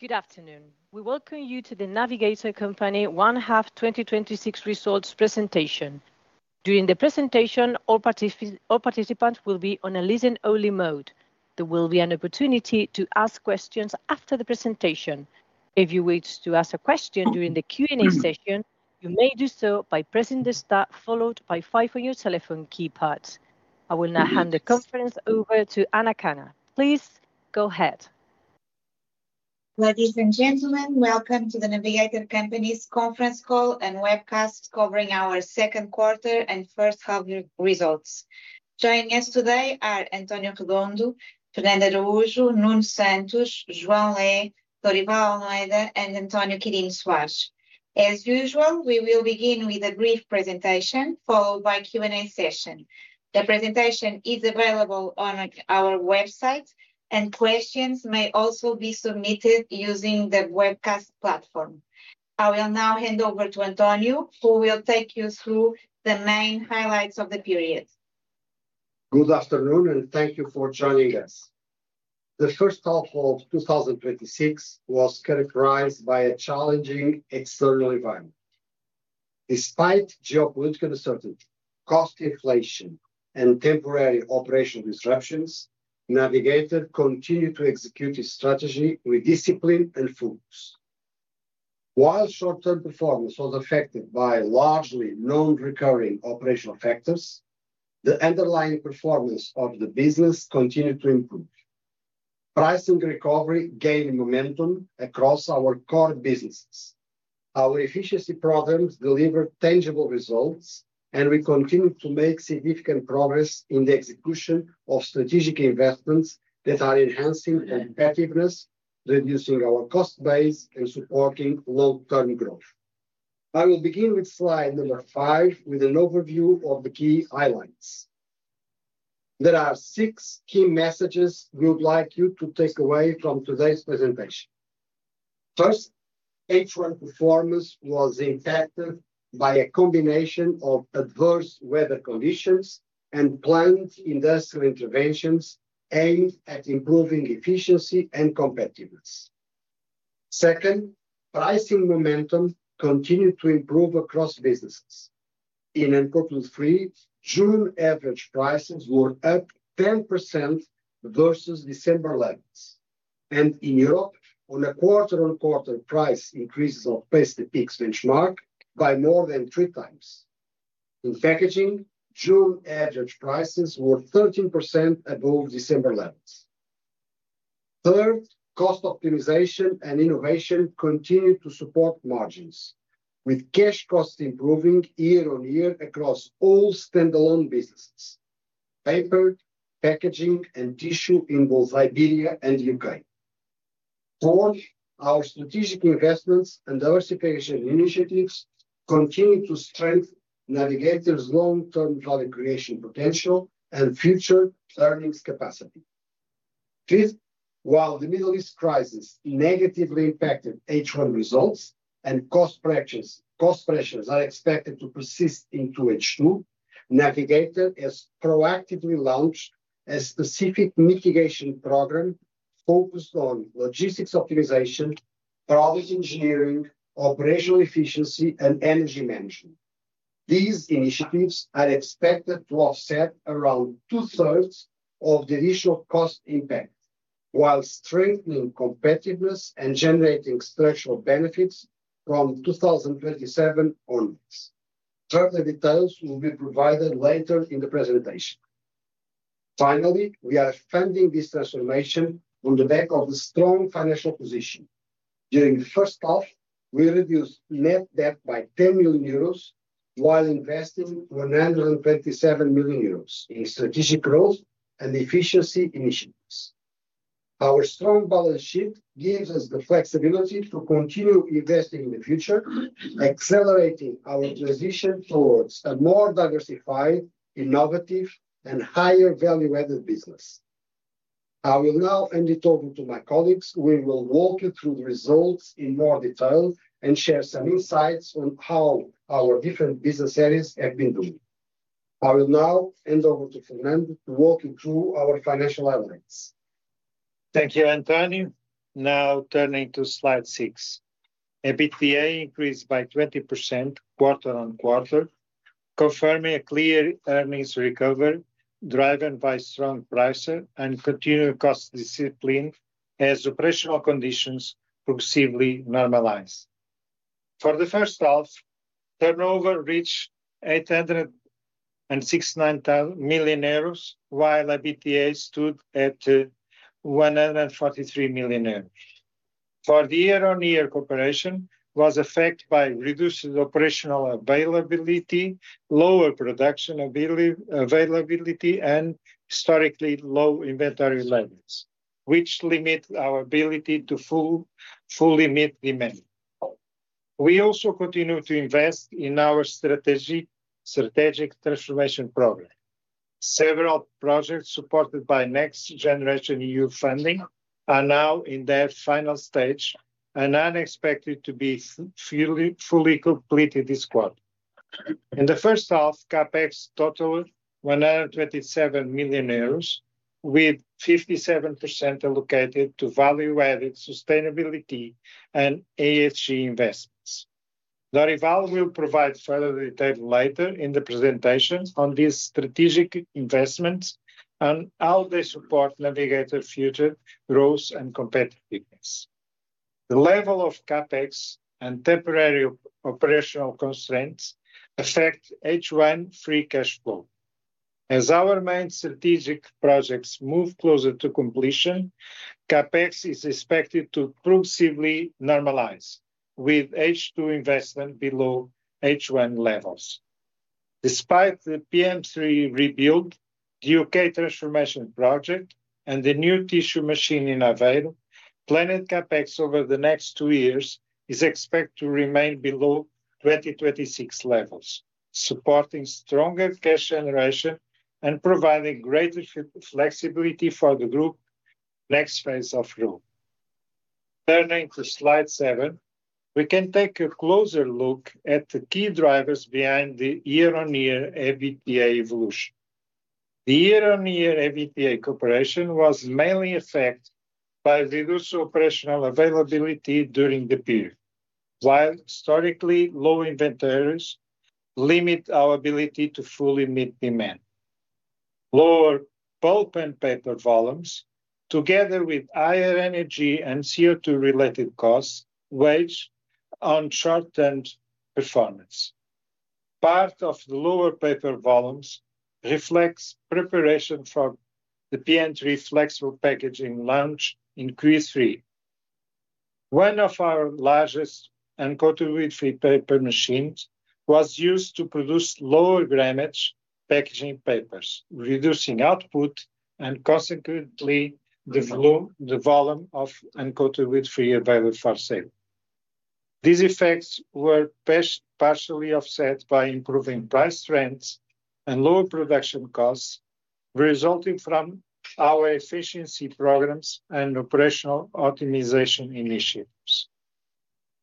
Good afternoon. We welcome you to The Navigator Company one half 2026 results presentation. During the presentation, all participants will be on a listen-only mode. There will be an opportunity to ask questions after the presentation. If you wish to ask a question during the Q&A session, you may do so by pressing the star followed by five on your telephone keypad. I will now hand the conference over to Ana Canha. Please go ahead. Ladies and gentlemen, welcome to The Navigator Company's conference call and webcast covering our second quarter and first half-year results. Joining us today are António Redondo, Fernando Araújo, Nuno Santos, João Lé, Dorival Almeida, and António Quirino Soares. As usual, we will begin with a brief presentation followed by a Q&A session. The presentation is available on our website, and questions may also be submitted using the webcast platform. I will now hand over to António, who will take you through the main highlights of the period. Good afternoon, and thank you for joining us. The first half of 2026 was characterized by a challenging external environment. Despite geopolitical uncertainty, cost inflation, and temporary operational disruptions, Navigator continued to execute its strategy with discipline and focus. While short-term performance was affected by largely non-recurring operational factors, the underlying performance of the business continued to improve. Pricing recovery gained momentum across our core businesses. Our efficiency programs delivered tangible results, and we continued to make significant progress in the execution of strategic investments that are enhancing competitiveness, reducing our cost base, and supporting long-term growth. I will begin with slide number five with an overview of the key highlights. There are six key messages we would like you to take away from today's presentation. First, H1 performance was impacted by a combination of adverse weather conditions and planned industrial interventions aimed at improving efficiency and competitiveness. Second, pricing momentum continued to improve across businesses. In uncoated free, June average prices were up 10% versus December levels, and in Europe, on a quarter-on-quarter price increases outpaced the PIX benchmark by more than three times. In packaging, June average prices were 13% above December levels. Third, cost optimization and innovation continued to support margins, with cash costs improving year-on-year across all standalone businesses: paper, packaging, and tissue in both Iberia and U.K. Four, our strategic investments and diversification initiatives continue to strengthen Navigator's long-term value creation potential and future earnings capacity. Fifth, while the Middle East crisis negatively impacted H1 results and cost pressures are expected to persist into H2, Navigator has proactively launched a specific mitigation program focused on logistics optimization, product engineering, operational efficiency, and energy management. These initiatives are expected to offset around two-thirds of the additional cost impact while strengthening competitiveness and generating structural benefits from 2027 onwards. Further details will be provided later in the presentation. Finally, we are funding this transformation on the back of a strong financial position. During the first half, we reduced net debt by 10 million euros while investing 127 million euros in strategic growth and efficiency initiatives. Our strong balance sheet gives us the flexibility to continue investing in the future, accelerating our transition towards a more diversified, innovative, and higher value-added business. I will now hand it over to my colleagues, who will walk you through the results in more detail and share some insights on how our different business areas have been doing. I will now hand over to Fernando to walk you through our financial highlights. Thank you, António. Turning to slide six. EBITDA increased by 20% quarter-on-quarter, confirming a clear earnings recovery driven by strong pricing and continued cost discipline as operational conditions progressively normalize. For the first half, turnover reached 869 million euros, while EBITDA stood at 143 million euros. The year-on-year comparison was affected by reduced operational availability, lower production availability, and historically low inventory levels, which limit our ability to fully meet demand. We also continue to invest in our strategic transformation program. Several projects supported by NextGenerationEU funding are now in their final stage and are expected to be fully completed this quarter. In the first half, CapEx totaled 127 million euros, with 57% allocated to value-added sustainability and ESG investments. Dorival will provide further detail later in the presentation on these strategic investments and how they support Navigator's future growth and competitiveness. The level of CapEx and temporary operational constraints affect H1 free cash flow. As our main strategic projects move closer to completion, CapEx is expected to progressively normalize with H2 investment below H1 levels. Despite the PM3 rebuild, the U.K. transformation project, and the new tissue machine in Aveiro, planned CapEx over the next two years is expected to remain below 2026 levels, supporting stronger cash generation and providing greater flexibility for the group's next phase of growth. Turning to slide seven, we can take a closer look at the key drivers behind the year-on-year EBITDA evolution. The year-on-year EBITDA evolution was mainly affected by reduced operational availability during the period, while historically low inventories limit our ability to fully meet demand. Lower pulp and paper volumes, together with higher energy and CO2-related costs, weigh on short-term performance. Part of the lower paper volumes reflects preparation for the PM3 flexible packaging launch in Q3. One of our largest uncoated wood-free paper machines was used to produce lower grammage packaging papers, reducing output and consequently the volume of uncoated wood-free available for sale. These effects were partially offset by improving price trends and lower production costs resulting from our efficiency programs and operational optimization initiatives.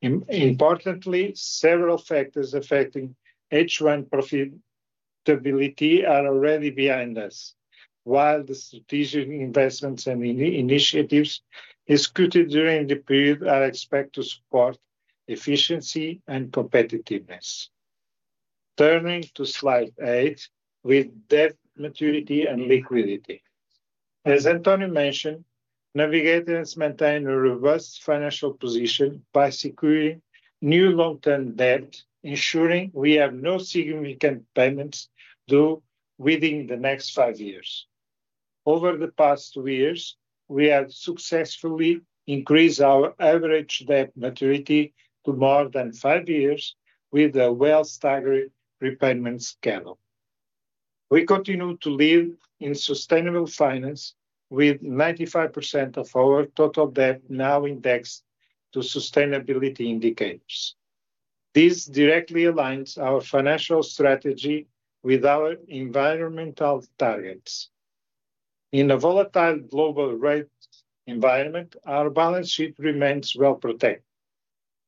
Importantly, several factors affecting H1 profitability are already behind us, while the strategic investments and initiatives executed during the period are expected to support efficiency and competitiveness. Turning to slide eight with debt maturity and liquidity. As António mentioned, Navigator maintain a robust financial position by securing new long-term debt, ensuring we have no significant payments due within the next five years. Over the past five years, we have successfully increased our average debt maturity to more than five years with a well-staggered repayment schedule. We continue to lead in sustainable finance, with 95% of our total debt now indexed to sustainability indicators. This directly aligns our financial strategy with our environmental targets. In a volatile global rate environment, our balance sheet remains well protected.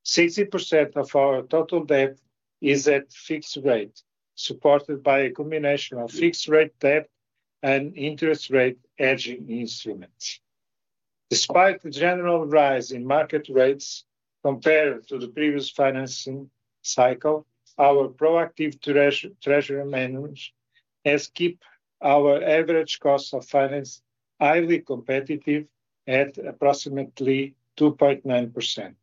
60% of our total debt is at fixed rate, supported by a combination of fixed-rate debt and interest rate hedging instruments. Despite the general rise in market rates compared to the previous financing cycle, our proactive treasury management has kept our average cost of finance highly competitive at approximately 2.9%.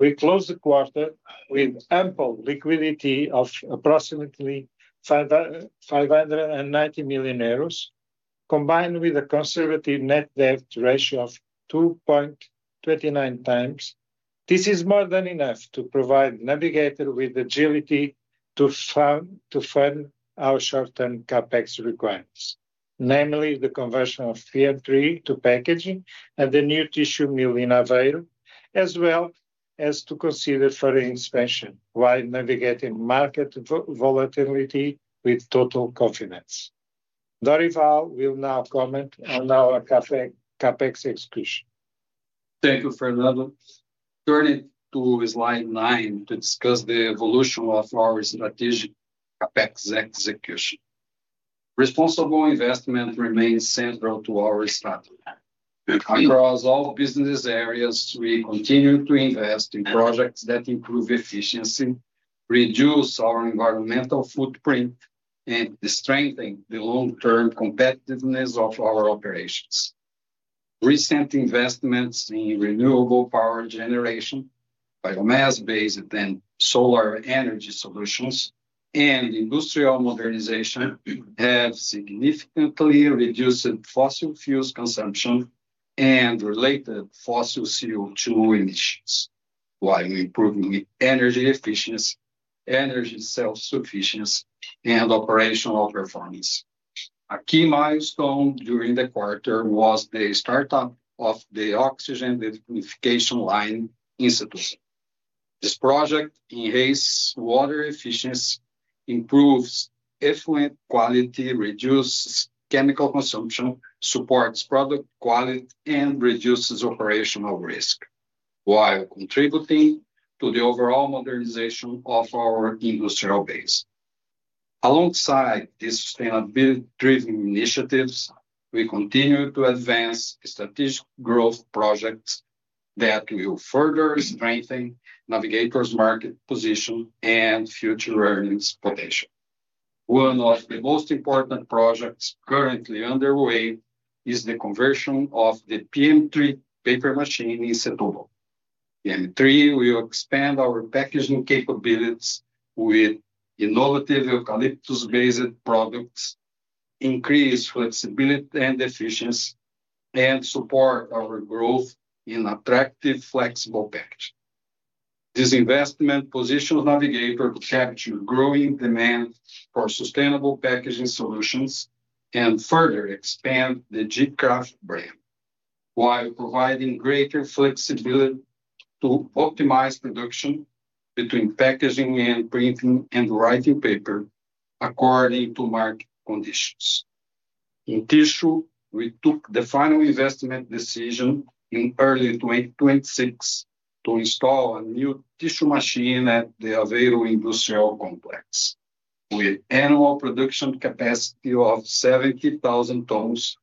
We closed the quarter with ample liquidity of approximately 590 million euros, combined with a conservative net debt ratio of 2.29 times. This is more than enough to provide Navigator with agility to fund our short-term CapEx requirements. Namely, the conversion of PM3 to packaging and the new tissue mill in Aveiro, as well as to consider further expansion while navigating market volatility with total confidence. Dorival will now comment on our CapEx execution. Thank you, Fernando. Turning to slide nine to discuss the evolution of our strategic CapEx execution. Responsible investment remains central to our strategy. Across all business areas, we continue to invest in projects that improve efficiency, reduce our environmental footprint, and strengthen the long-term competitiveness of our operations. Recent investments in renewable power generation, biomass-based and solar energy solutions, and industrial modernization have significantly reduced fossil fuels consumption and related fossil CO2 emissions, while improving energy efficiency, energy self-sufficiency, and operational performance. A key milestone during the quarter was the startup of the oxygen delignification line in Setúbal. This project enhances water efficiency, improves effluent quality, reduces chemical consumption, supports product quality, and reduces operational risk while contributing to the overall modernization of our industrial base. Alongside these sustainability-driven initiatives, we continue to advance strategic growth projects that will further strengthen Navigator's market position and future earnings potential. One of the most important projects currently underway is the conversion of the PM3 paper machine in Setúbal. PM3 will expand our packaging capabilities with innovative eucalyptus-based products, increase flexibility and efficiency, and support our growth in attractive flexible packaging. This investment positions Navigator to capture growing demand for sustainable packaging solutions and further expand the gKRAFT brand while providing greater flexibility to optimize production between packaging and printing and writing paper according to market conditions. In tissue, we took the final investment decision in early 2026 to install a new tissue machine at the Aveiro Industrial Complex. With annual production capacity of 70,000 tons,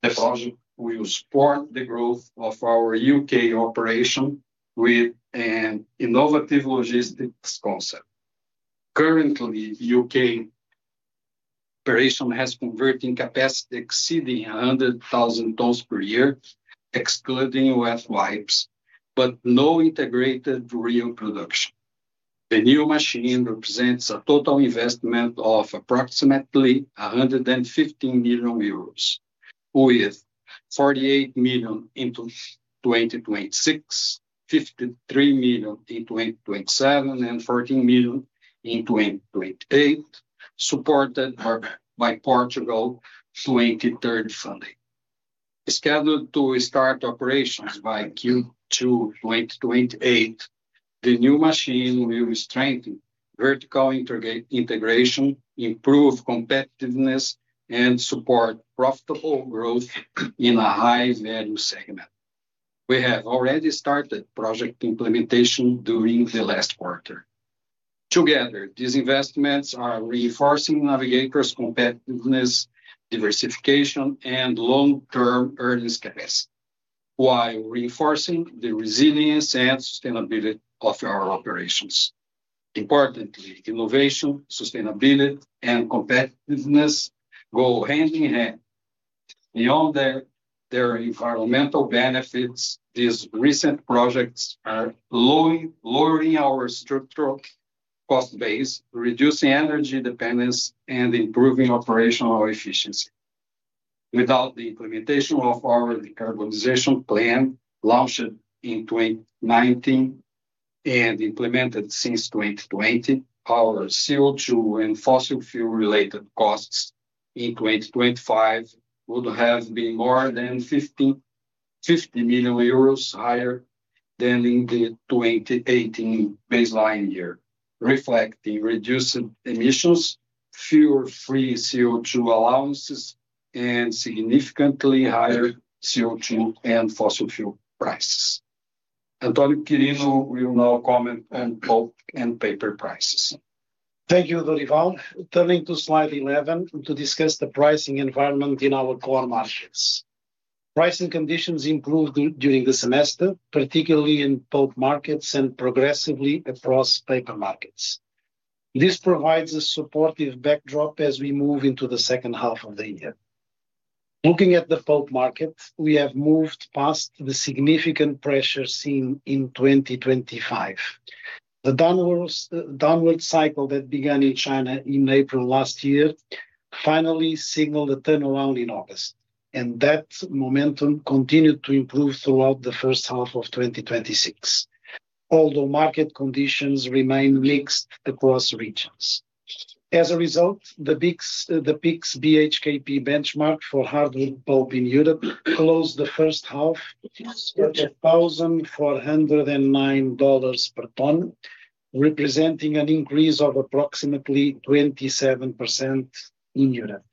the project will support the growth of our U.K. operation with an innovative logistics concept. Currently, U.K. operation has converting capacity exceeding 100,000 tons per year, excluding wipes, but no integrated reel production. The new machine represents a total investment of approximately 115 million euros, with 48 million into 2026, 53 million in 2027 and 14 million in 2028, supported by Portugal 2030 funding. Scheduled to start operations by Q2 2028, the new machine will strengthen vertical integration, improve competitiveness, and support profitable growth in a high-value segment. We have already started project implementation during the last quarter. Together, these investments are reinforcing Navigator's competitiveness, diversification, and long-term earnings capacity while reinforcing the resilience and sustainability of our operations. Importantly, innovation, sustainability, and competitiveness go hand-in-hand. Beyond their environmental benefits, these recent projects are lowering our structural cost base, reducing energy dependence, and improving operational efficiency. Without the implementation of our decarbonization plan launched in 2019 and implemented since 2020, our CO2 and fossil fuel-related costs in 2025 would have been more than 50 million euros higher than in the 2018 baseline year, reflecting reduced emissions, fewer free CO2 allowances, and significantly higher CO2 and fossil fuel prices. António Quirino will now comment on pulp and paper prices. Thank you, Dorival. Turning to slide 11 to discuss the pricing environment in our core markets. Pricing conditions improved during the semester, particularly in pulp markets, and progressively across paper markets. This provides a supportive backdrop as we move into the second half of the year. Looking at the pulp market, we have moved past the significant pressure seen in 2025. The downward cycle that began in China in April last year finally signaled a turnaround in August, and that momentum continued to improve throughout the first half of 2026. Although market conditions remain mixed across regions. As a result, the PIX BHKP benchmark for hardwood pulp in Europe closed the first half at $1,409 per ton, representing an increase of approximately 27% in Europe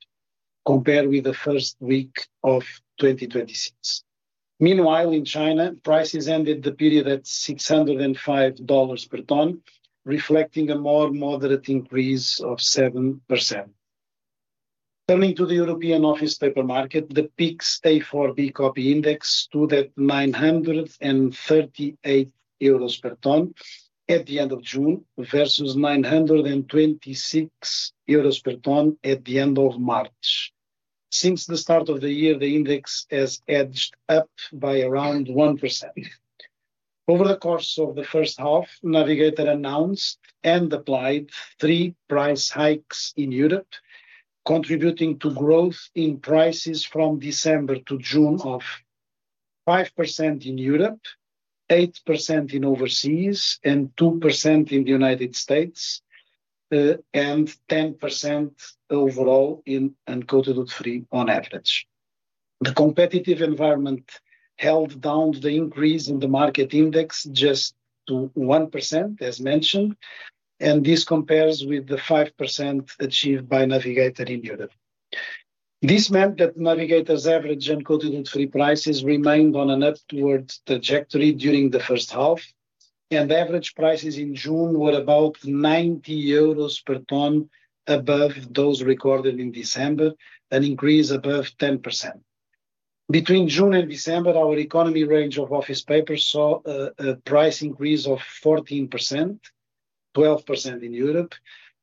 compared with the first week of 2026. Meanwhile, in China, prices ended the period at $605 per ton, reflecting a more moderate increase of 7%. Turning to the European office paper market, the PIX A4 B-copy index stood at 938 euros per ton at the end of June, versus 926 euros per ton at the end of March. Since the start of the year, the index has edged up by around 1%. Over the course of the first half, Navigator announced and applied three price hikes in Europe, contributing to growth in prices from December to June of 5% in Europe, 8% in overseas, and 2% in the United States, and 10% overall in uncoated free on average. The competitive environment held down the increase in the market index just to 1%, as mentioned, and this compares with the 5% achieved by Navigator in Europe. This meant that Navigator's average uncoated wood-free prices remained on an upwards trajectory during the first half, and average prices in June were about 90 euros per ton above those recorded in December, an increase above 10%. Between June and December, our economy range of office paper saw a price increase of 14%, 12% in Europe,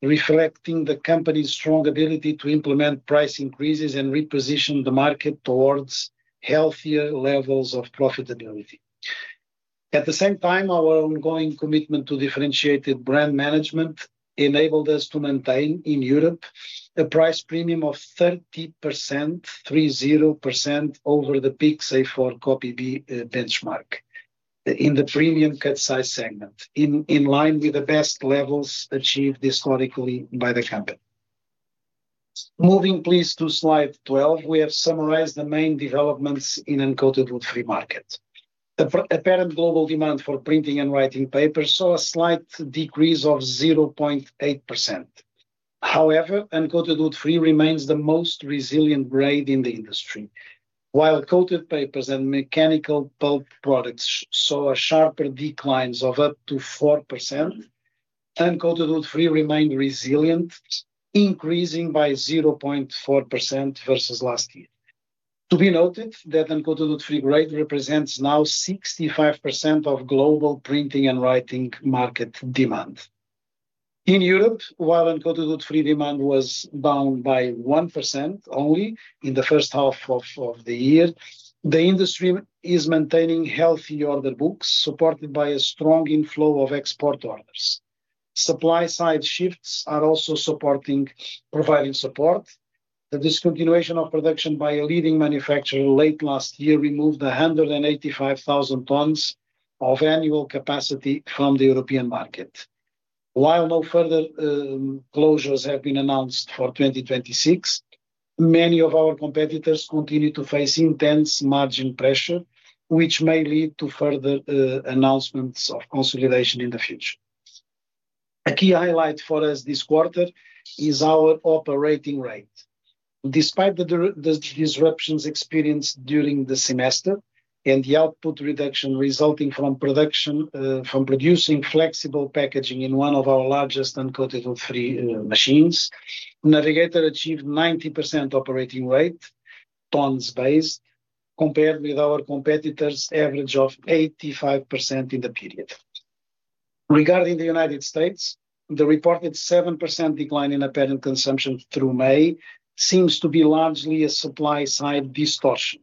reflecting the company's strong ability to implement price increases and reposition the market towards healthier levels of profitability. At the same time, our ongoing commitment to differentiated brand management enabled us to maintain in Europe a price premium of 30% over the PIX A4 B-copy benchmark in the premium cut size segment, in line with the best levels achieved historically by the company. Moving please to slide 12, we have summarized the main developments in the uncoated wood-free market. Apparent global demand for printing and writing paper saw a slight decrease of 0.8%. However, uncoated wood-free remains the most resilient grade in the industry. While coated papers and mechanical pulp products saw sharper declines of up to 4%, uncoated wood-free remained resilient, increasing by 0.4% versus last year. To be noted that uncoated wood-free grade represents now 65% of global printing and writing market demand. In Europe, while uncoated wood-free demand was down by 1% only in the first half of the year, the industry is maintaining healthy order books, supported by a strong inflow of export orders. Supply-side shifts are also providing support. The discontinuation of production by a leading manufacturer late last year removed 185,000 tons of annual capacity from the European market. While no further closures have been announced for 2026, many of our competitors continue to face intense margin pressure, which may lead to further announcements of consolidation in the future. A key highlight for us this quarter is our operating rate. Despite the disruptions experienced during the semester and the output reduction resulting from producing flexible packaging in one of our largest uncoated wood-free machines, Navigator achieved 90% operating rate, tons based, compared with our competitors' average of 85% in the period. Regarding the United States, the reported 7% decline in apparent consumption through May seems to be largely a supply-side distortion.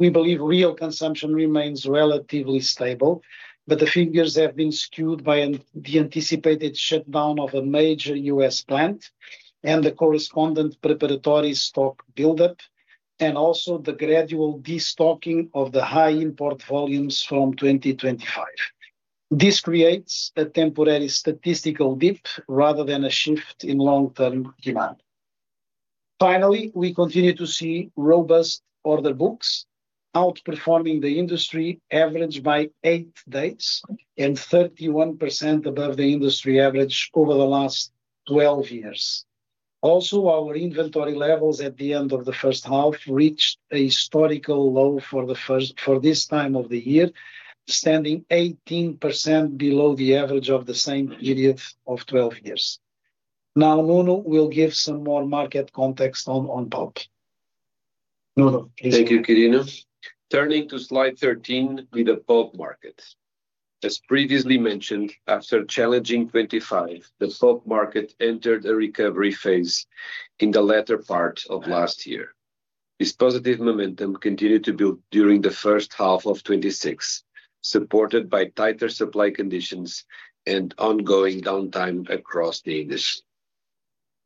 We believe real consumption remains relatively stable, but the figures have been skewed by the anticipated shutdown of a major U.S. plant and the correspondent preparatory stock buildup, and also the gradual destocking of the high import volumes from 2025. This creates a temporary statistical dip rather than a shift in long-term demand. Finally, we continue to see robust order books outperforming the industry average by 8 days and 31% above the industry average over the last 12 years. Also, our inventory levels at the end of the first half reached a historical low for this time of the year, standing 18% below the average of the same period of 12 years. Now Nuno will give some more market context on pulp. Nuno, please. Thank you, Quirino. Turning to slide 13 with the pulp market. As previously mentioned, after challenging 2025, the pulp market entered a recovery phase in the latter part of last year. This positive momentum continued to build during the first half of 2026, supported by tighter supply conditions and ongoing downtime across the industry.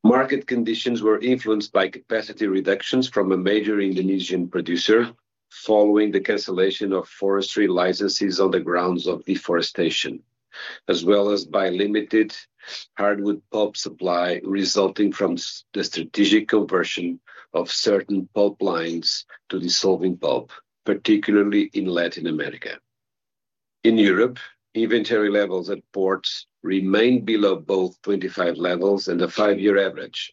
Market conditions were influenced by capacity reductions from a major Indonesian producer following the cancellation of forestry licenses on the grounds of deforestation, as well as by limited hardwood pulp supply resulting from the strategic conversion of certain pulp lines to dissolving pulp, particularly in Latin America. In Europe, inventory levels at ports remained below both 2025 levels and the five-year average.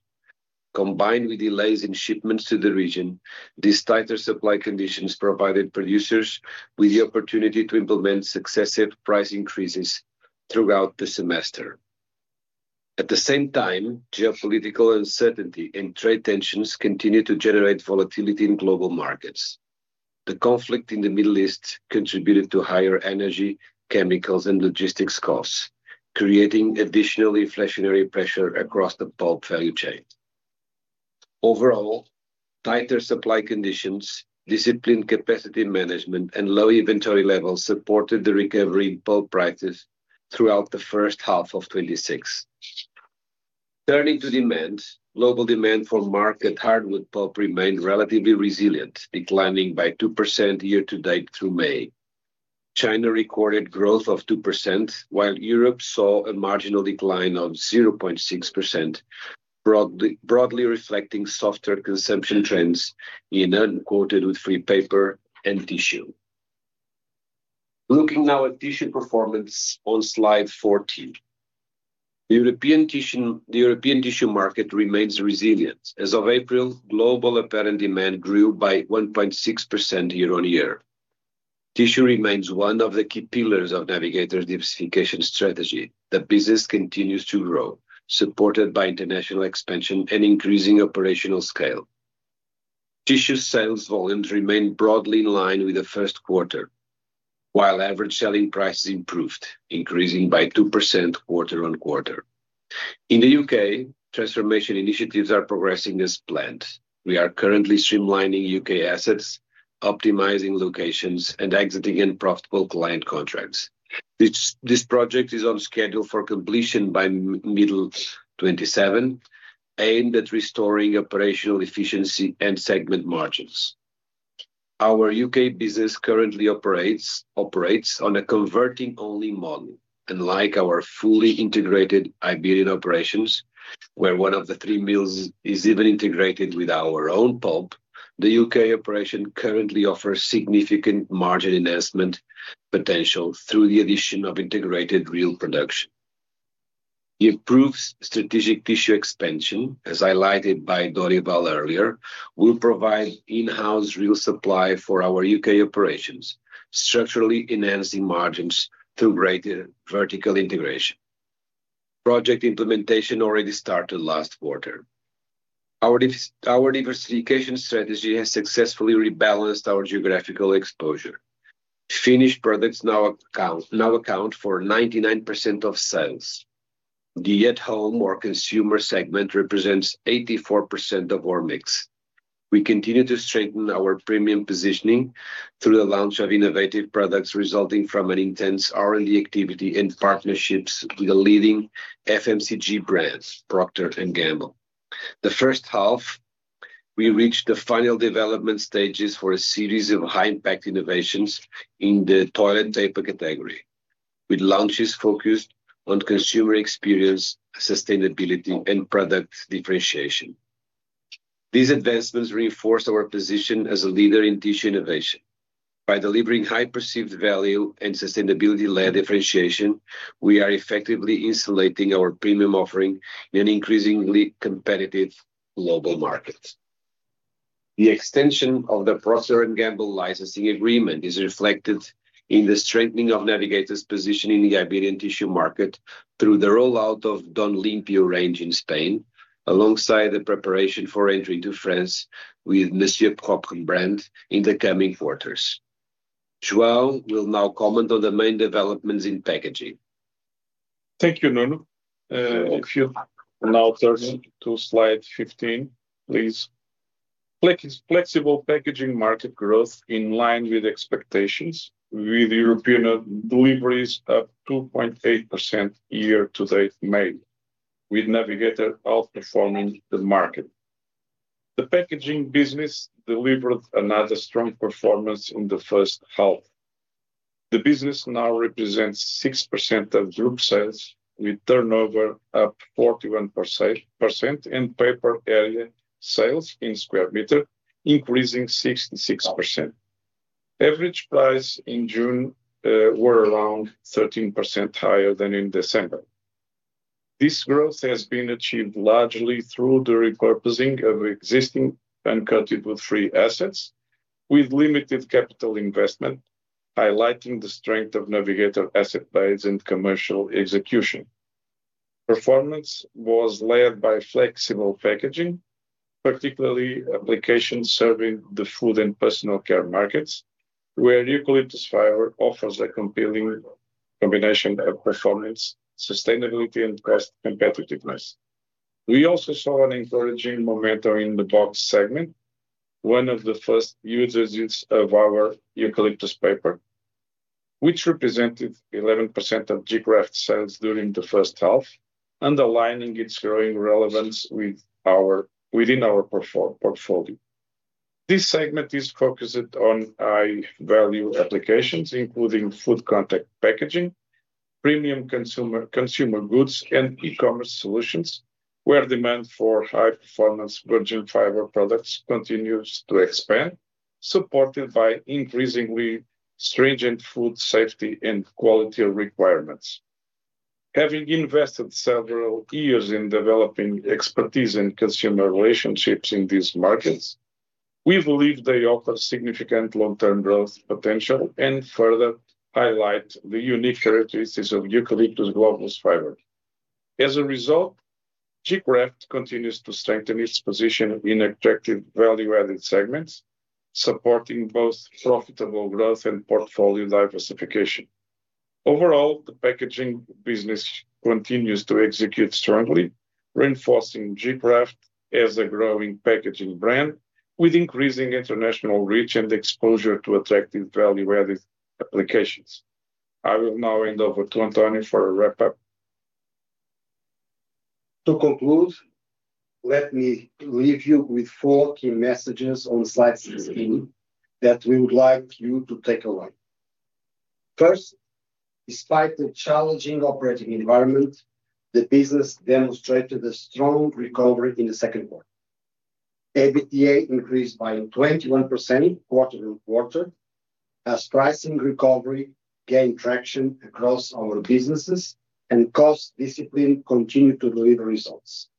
Combined with delays in shipments to the region, these tighter supply conditions provided producers with the opportunity to implement successive price increases throughout the semester. At the same time, geopolitical uncertainty and trade tensions continue to generate volatility in global markets. The conflict in the Middle East contributed to higher energy, chemicals, and logistics costs, creating additional inflationary pressure across the pulp value chain. Overall, tighter supply conditions, disciplined capacity management, and low inventory levels supported the recovery in pulp prices throughout the first half of 2026. Turning to demand. Global demand for market hardwood pulp remained relatively resilient, declining by 2% year to date through May. China recorded growth of 2%, while Europe saw a marginal decline of 0.6%, broadly reflecting softer consumption trends in uncoated wood-free paper and tissue. Looking now at tissue performance on Slide 14. The European tissue market remains resilient. As of April, global apparent demand grew by 1.6% year-on-year. Tissue remains one of the key pillars of Navigator's diversification strategy. The business continues to grow, supported by international expansion and increasing operational scale. Tissue sales volumes remain broadly in line with the first quarter, while average selling prices improved, increasing by 2% quarter-on-quarter. In the U.K., transformation initiatives are progressing as planned. We are currently streamlining U.K. assets, optimizing locations, and exiting unprofitable client contracts. This project is on schedule for completion by middle 2027, aimed at restoring operational efficiency and segment margins. Our U.K. business currently operates on a converting-only model, unlike our fully integrated Iberian operations, where one of the three mills is even integrated with our own pulp. The U.K. operation currently offers significant margin enhancement potential through the addition of integrated reel production. The improved strategic tissue expansion, as highlighted by Dorival earlier, will provide in-house reel supply for our U.K. operations, structurally enhancing margins through greater vertical integration. Project implementation already started last quarter. Our diversification strategy has successfully rebalanced our geographical exposure. Finished products now account for 99% of sales. The at-home or consumer segment represents 84% of our mix. We continue to strengthen our premium positioning through the launch of innovative products resulting from an intense R&D activity and partnerships with the leading FMCG brands, Procter & Gamble. In the first half, we reached the final development stages for a series of high-impact innovations in the toilet paper category, with launches focused on consumer experience, sustainability, and product differentiation. These advancements reinforce our position as a leader in tissue innovation. By delivering high perceived value and sustainability-led differentiation, we are effectively insulating our premium offering in an increasingly competitive global market. The extension of the Procter & Gamble licensing agreement is reflected in the strengthening of Navigator's position in the Iberian tissue market through the rollout of Don Limpio range in Spain, alongside the preparation for entry to France with Monsieur Propre brand in the coming quarters. João will now comment on the main developments in packaging. Thank you, Nuno. Okay. Turn to Slide 15, please. Flexible packaging market growth in line with expectations, with European deliveries up 2.8% year to date May, with Navigator outperforming the market. The packaging business delivered another strong performance in the first half. The business now represents 6% of group sales, with turnover up 41% and paper area sales in square meter increasing 66%. Average price in June were around 13% higher than in December. This growth has been achieved largely through the repurposing of existing and converted free assets with limited capital investment, highlighting the strength of Navigator asset base and commercial execution. Performance was led by flexible packaging, particularly applications serving the food and personal care markets, where eucalyptus fiber offers a compelling combination of performance, sustainability, and cost competitiveness. We also saw an encouraging momentum in the box segment, one of the first users of our eucalyptus paper, which represented 11% of gKRAFT sales during the first half, underlining its growing relevance within our portfolio. This segment is focused on high-value applications, including food contact packaging, premium consumer goods, and e-commerce solutions, where demand for high-performance virgin fiber products continues to expand, supported by increasingly stringent food safety and quality requirements. Having invested several years in developing expertise and consumer relationships in these markets, we believe they offer significant long-term growth potential and further highlight the unique characteristics of eucalyptus globulus fiber. As a result, gKRAFT continues to strengthen its position in attractive value-added segments, supporting both profitable growth and portfolio diversification. Overall, the packaging business continues to execute strongly, reinforcing gKRAFT as a growing packaging brand with increasing international reach and exposure to attractive value-added applications. I will now hand over to António for a wrap-up. To conclude, let me leave you with four key messages on slide 16 that we would like you to take away. First, despite the challenging operating environment, the business demonstrated a strong recovery in the second quarter. EBITDA increased by 21% quarter-on-quarter as pricing recovery gained traction across our businesses and cost discipline continued to deliver results.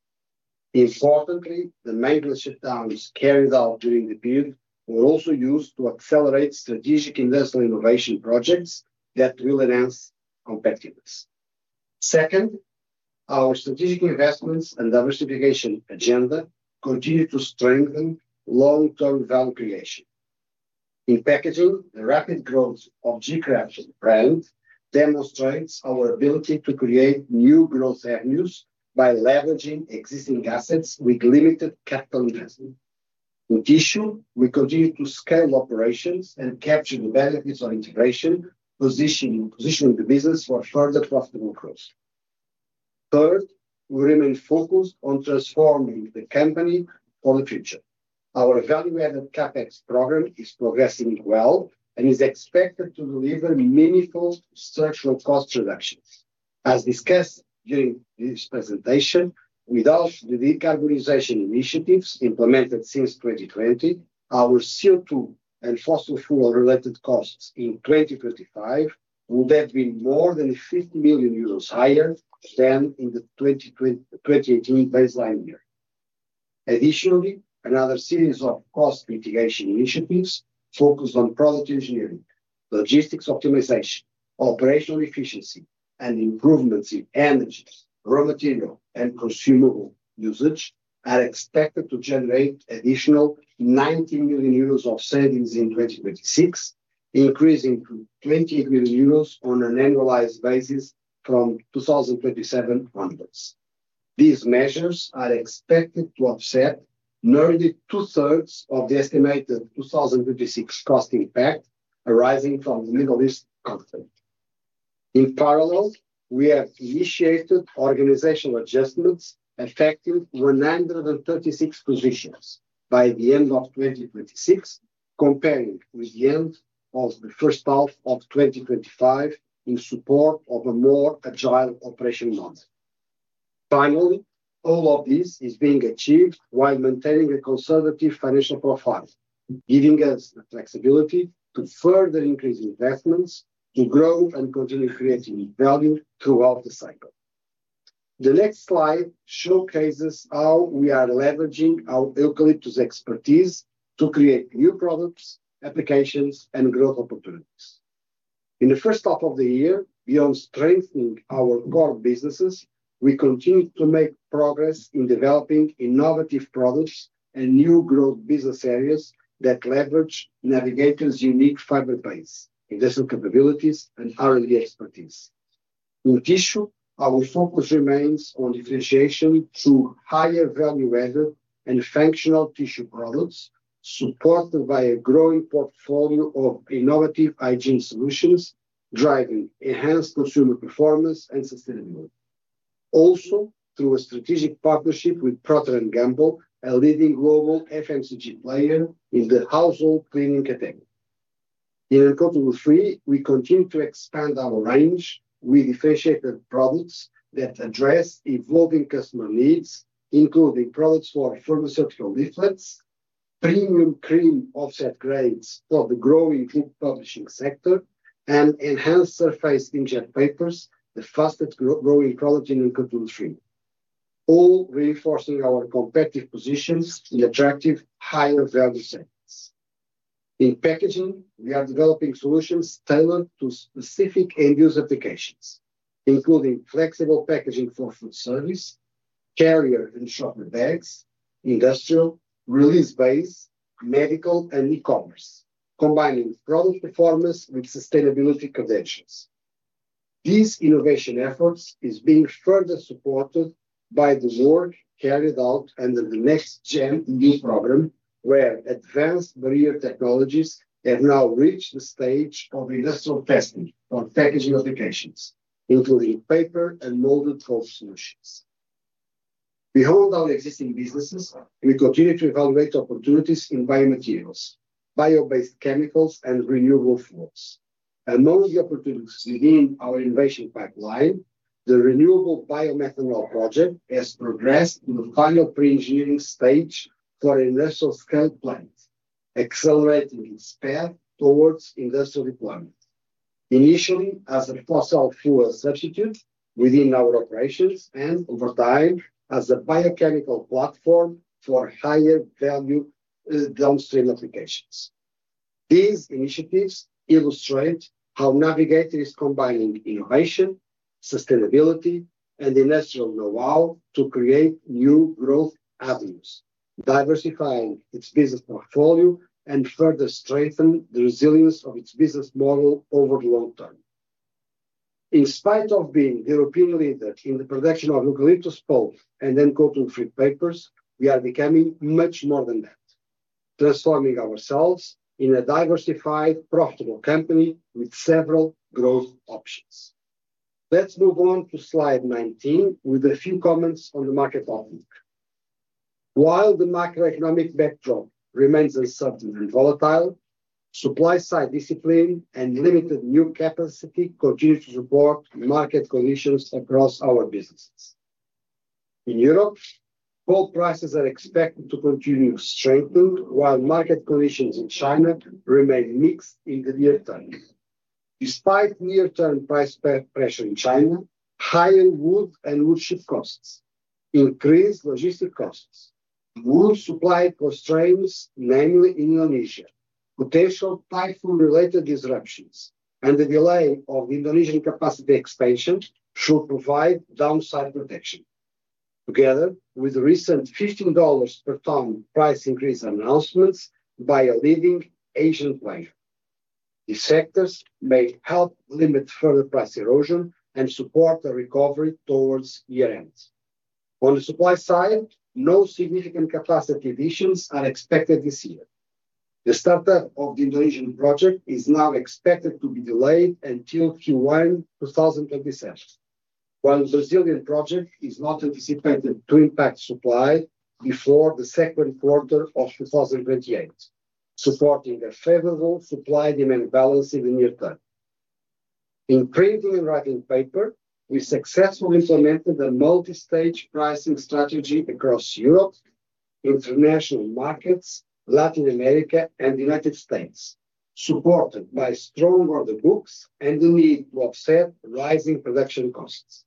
Importantly, the maintenance shutdowns carried out during the period were also used to accelerate strategic industrial innovation projects that will enhance competitiveness. Second, our strategic investments and diversification agenda continue to strengthen long-term value creation. In packaging, the rapid growth of gKRAFT brand demonstrates our ability to create new growth avenues by leveraging existing assets with limited capital investment. In tissue, we continue to scale operations and capture the benefits of integration, positioning the business for further profitable growth. Third, we remain focused on transforming the company for the future. Our value-added CapEx program is progressing well and is expected to deliver meaningful structural cost reductions. As discussed during this presentation, without the decarbonization initiatives implemented since 2020, our CO2 and fossil fuel-related costs in 2025 would have been more than 50 million euros higher than in the 2018 baseline year. Additionally, another series of cost mitigation initiatives focused on product engineering, logistics optimization, operational efficiency, and improvements in energy, raw material, and consumable usage are expected to generate additional 90 million euros of savings in 2026, increasing to 20 million euros on an annualized basis from 2027 onwards. These measures are expected to offset nearly two-thirds of the estimated 2026 cost impact arising from the Middle East conflict. In parallel, we have initiated organizational adjustments affecting 136 positions by the end of 2026, comparing with the end of the first half of 2025 in support of a more agile operation model. Finally, all of this is being achieved while maintaining a conservative financial profile, giving us the flexibility to further increase investments to grow and continue creating value throughout the cycle. The next slide showcases how we are leveraging our eucalyptus expertise to create new products, applications, and growth opportunities. In the first half of the year, beyond strengthening our core businesses, we continued to make progress in developing innovative products and new growth business areas that leverage Navigator's unique fiber base, industrial capabilities, and R&D expertise. In tissue, our focus remains on differentiation through higher value-added and functional tissue products, supported by a growing portfolio of innovative hygiene solutions, driving enhanced consumer performance and sustainability. Also, through a strategic partnership with Procter & Gamble, a leading global FMCG player in the household cleaning category. In uncoated wood-free, we continue to expand our range with differentiated products that address evolving customer needs, including products for pharmaceutical leaflets, premium cream offset grades for the growing book publishing sector, and enhanced surface inkjet papers, the fastest-growing category in uncoated wood-free, all reinforcing our competitive positions in attractive higher value segments. In packaging, we are developing solutions tailored to specific end-use applications, including flexible packaging for food service, carrier and shopping bags, industrial, release-based, medical, and e-commerce, combining product performance with sustainability credentials. These innovation efforts is being further supported by the work carried out under the NextGen NI program, where advanced barrier technologies have now reached the stage of industrial testing on packaging applications, including paper and molded pulp solutions. Beyond our existing businesses, we continue to evaluate opportunities in biomaterials, bio-based chemicals, and renewable fuels. Among the opportunities within our innovation pipeline, the renewable biomethanol project has progressed to the final pre-engineering stage for industrial scale plant, accelerating its path towards industrial deployment. Initially, as a fossil fuel substitute within our operations and, over time, as a biochemical platform for higher value downstream applications. These initiatives illustrate how Navigator is combining innovation, sustainability, and industrial know-how to create new growth avenues, diversifying its business portfolio, and further strengthen the resilience of its business model over the long term. In spite of being the European leader in the production of eucalyptus pulp and then uncoated wood-free papers, we are becoming much more than that, transforming ourselves in a diversified, profitable company with several growth options. Let's move on to slide 19 with a few comments on the market outlook. While the macroeconomic backdrop remains uncertain and volatile supply side discipline and limited new capacity continues to support market conditions across our businesses. In Europe, pulp prices are expected to continue to strengthen while market conditions in China remain mixed in the near term. Despite near-term price pressure in China, higher wood and wood chip costs, increased logistic costs, wood supply constraints, mainly in Indonesia, potential typhoon-related disruptions, and the delay of Indonesian capacity expansion should provide downside protection. Together with recent $15 per ton price increase announcements by a leading Asian player. These sectors may help limit further price erosion and support a recovery towards year end. On the supply side, no significant capacity additions are expected this year. The startup of the Indonesian project is now expected to be delayed until Q1 2027, while the Brazilian project is not anticipated to impact supply before the second quarter of 2028, supporting a favorable supply-demand balance in the near term. In printing and writing paper, we successfully implemented a multi-stage pricing strategy across Europe, international markets, Latin America, and the United States, supported by strong order books and the need to offset rising production costs.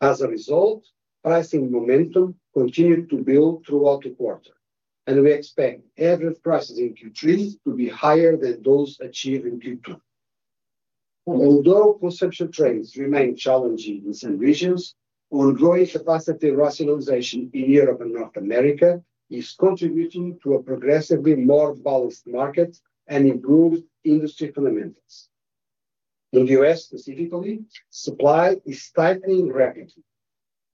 As a result, pricing momentum continued to build throughout the quarter, and we expect average prices in Q3 to be higher than those achieved in Q2. Although consumption trends remain challenging in some regions, ongoing capacity rationalization in Europe and North America is contributing to a progressively more balanced market and improved industry fundamentals. In the U.S. specifically, supply is tightening rapidly.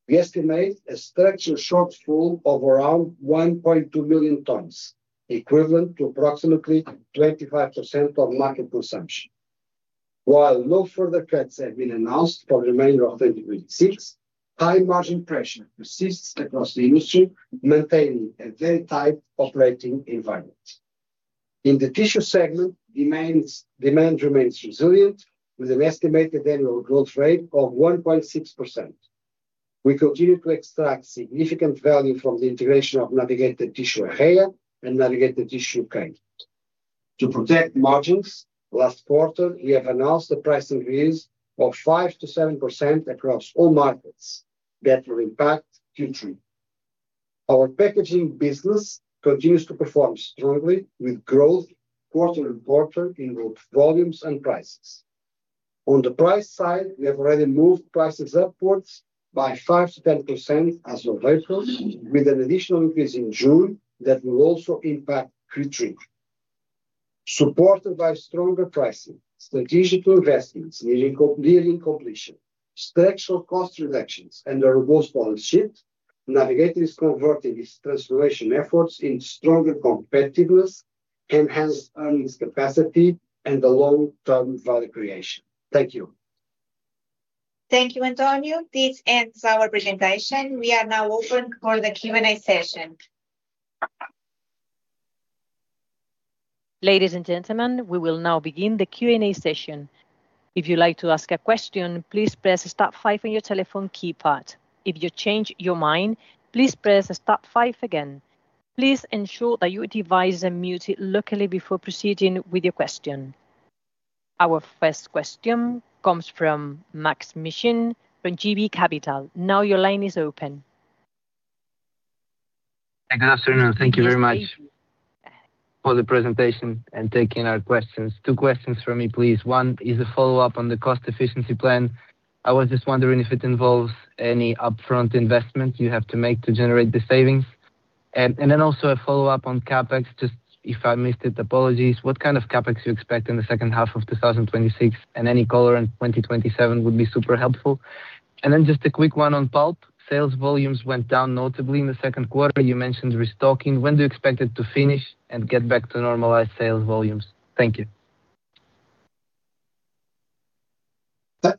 We estimate a structural shortfall of around 1.2 million tons, equivalent to approximately 25% of market consumption. While no further cuts have been announced for the remainder of 2026, high margin pressure persists across the industry, maintaining a very tight operating environment. In the tissue segment, demand remains resilient with an estimated annual growth rate of 1.6%. We continue to extract significant value from the integration of Navigator Tissue España and Navigator Tissue Canada. To protect margins, last quarter, we have announced a price increase of 5%-7% across all markets that will impact Q3. Our packaging business continues to perform strongly with growth quarter-on-quarter in both volumes and prices. On the price side, we have already moved prices upwards by 5%-10% as of April, with an additional increase in June that will also impact Q3. Supported by stronger pricing, strategic investments nearing completion, structural cost reductions, and a robust balance sheet, Navigator is converting its transformation efforts into stronger competitiveness, enhanced earnings capacity, and the long-term value creation. Thank you. Thank you, António. This ends our presentation. We are now open for the Q&A session. Ladies and gentlemen, we will now begin the Q&A session. If you'd like to ask a question, please press star five on your telephone keypad. If you change your mind, please press star five again. Please ensure that your device is muted locally before proceeding with your question. Our first question comes from Maksym Mishyn from JB Capital. Now your line is open. Good afternoon. Thank you very much for the presentation and taking our questions. Two questions from me, please. One is a follow-up on the cost efficiency plan. I was just wondering if it involves any upfront investment you have to make to generate the savings? Also a follow-up on CapEx, just if I missed it, apologies. What kind of CapEx do you expect in the second half of 2026, and any color on 2027 would be super helpful. Just a quick one on pulp. Sales volumes went down notably in the second quarter. You mentioned restocking. When do you expect it to finish and get back to normalized sales volumes? Thank you.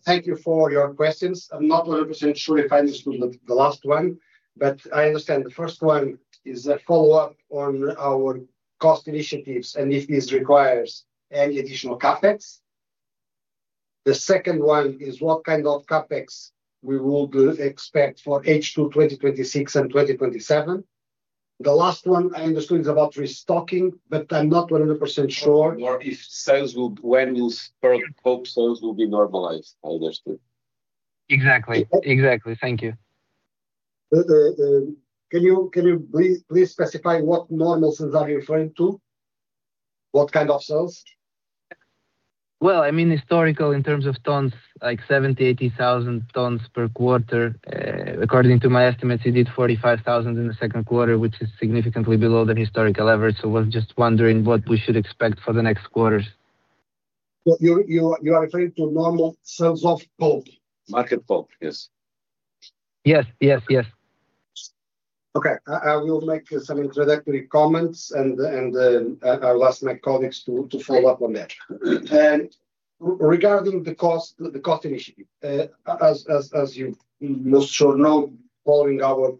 Thank you for your questions. I'm not 100% sure if I understood the last one. I understand the first one is a follow-up on our cost initiatives and if this requires any additional CapEx. The second one is what kind of CapEx we would expect for H2 2026 and 2027. The last one I understand is about restocking. I'm not 100% sure. When will pulp sales be normalized, I understood. Exactly. Thank you. Can you please specify what normal are you referring to? What kind of sales? Well, I mean historical in terms of tons, like 70,000, 80,000 tons per quarter. According to my estimates, you did 45,000 in the second quarter, which is significantly below the historical average. I was just wondering what we should expect for the next quarters. You are referring to normal sales of pulp? Market pulp, yes. Yes. Okay. I will make some introductory comments and I'll ask my colleagues to follow up on that. Regarding the cost initiative, as you most surely know, following our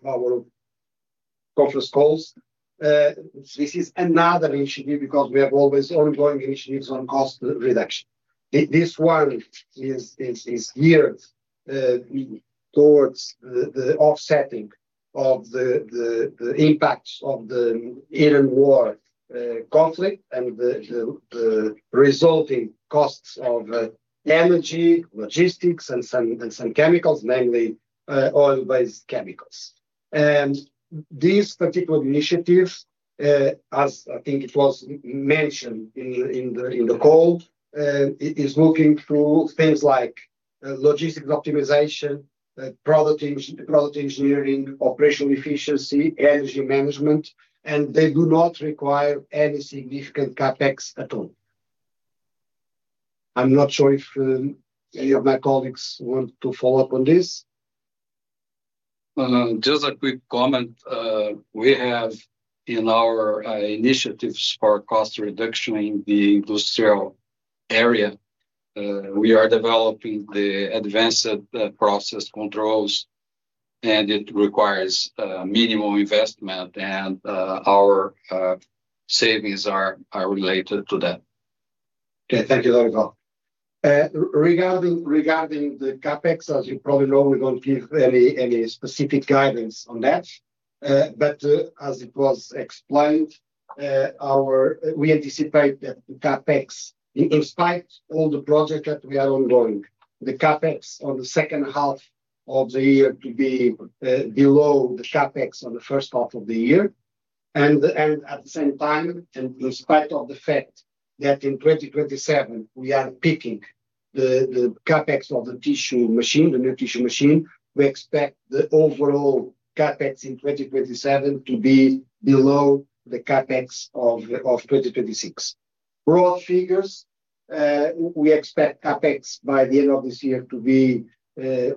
conference calls. This is another initiative because we have always ongoing initiatives on cost reduction. This one is geared towards the offsetting of the impacts of the Iran war, conflict, and the resulting costs of energy, logistics, and some chemicals, mainly oil-based chemicals. This particular initiative, as I think it was mentioned in the call, is looking through things like logistics optimization, product engineering, operational efficiency, energy management, and they do not require any significant CapEx at all. I'm not sure if any of my colleagues want to follow up on this. Just a quick comment. We have in our initiatives for cost reduction in the industrial area, we are developing the advanced process controls, and it requires minimum investment, and our savings are related to that. Okay. Thank you, Dorival. Regarding the CapEx, as you probably know, we don't give any specific guidance on that. As it was explained, we anticipate that the CapEx, in spite all the project that we have ongoing, the CapEx on the second half of the year to be below the CapEx on the first half of the year. At the same time, in spite of the fact that in 2027, we are peaking the CapEx of the tissue machine, the new tissue machine, we expect the overall CapEx in 2027 to be below the CapEx of 2026. Raw figures, we expect CapEx by the end of this year to be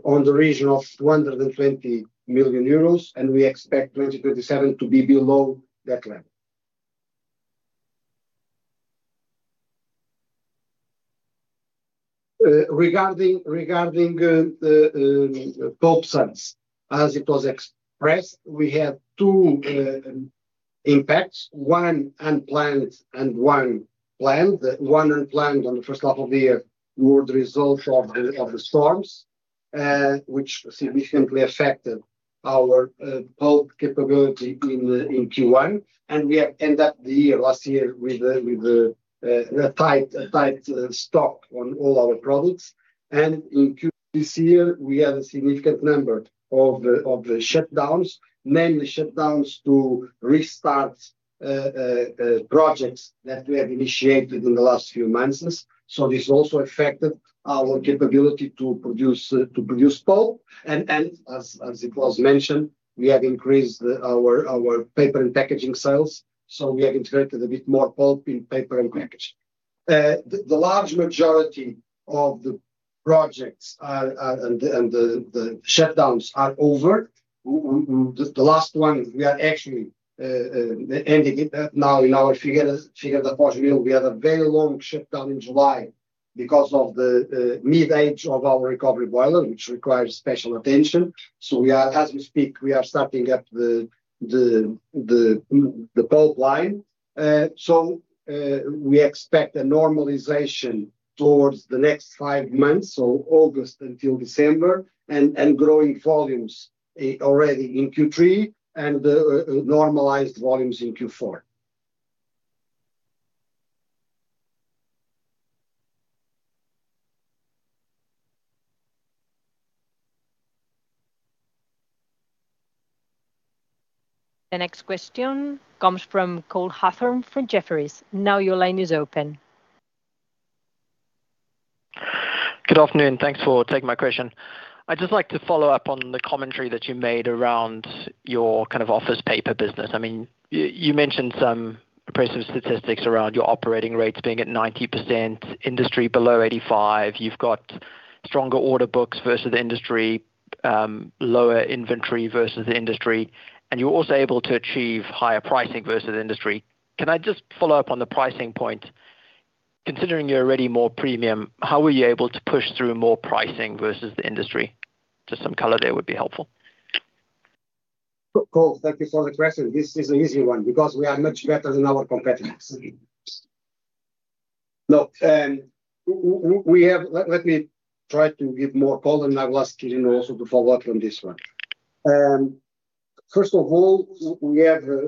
on the region of 220 million euros, and we expect 2027 to be below that level. Regarding the pulp sales, as it was expressed, we had two impacts, one unplanned and one planned. The one unplanned on the first half of the year were the result of the storms, which significantly affected our pulp capability in Q1. We have end up the year, last year with a tight stock on all our products. In Q this year, we had a significant number of the shutdowns, mainly shutdowns to restart projects that we have initiated in the last few months. This also affected our capability to produce pulp, and as it was mentioned, we have increased our paper and packaging sales, so we have integrated a bit more pulp in paper and packaging. The large majority of the projects and the shutdowns are over. The last one, we are actually ending it now in our Figueira da Foz mill. We had a very long shutdown in July because of the mid-age of our recovery boiler, which requires special attention. As we speak, we are starting up the pulp line. We expect a normalization towards the next five months, so August until December, and growing volumes already in Q3 and the normalized volumes in Q4. The next question comes from Cole Hathorn from Jefferies. Your line is open. Good afternoon. Thanks for taking my question. I would just like to follow up on the commentary that you made around your office paper business. You mentioned some impressive statistics around your operating rates being at 90%, industry below 85%. You have got stronger order books versus industry, lower inventory versus the industry, and you are also able to achieve higher pricing versus industry. Can I just follow up on the pricing point? Considering you are already more premium, how were you able to push through more pricing versus the industry? Just some color there would be helpful. Cole, thank you for the question. This is an easy one because we are much better than our competitors. Let me try to give more color, and I will ask Quirino also to follow up on this one. First of all,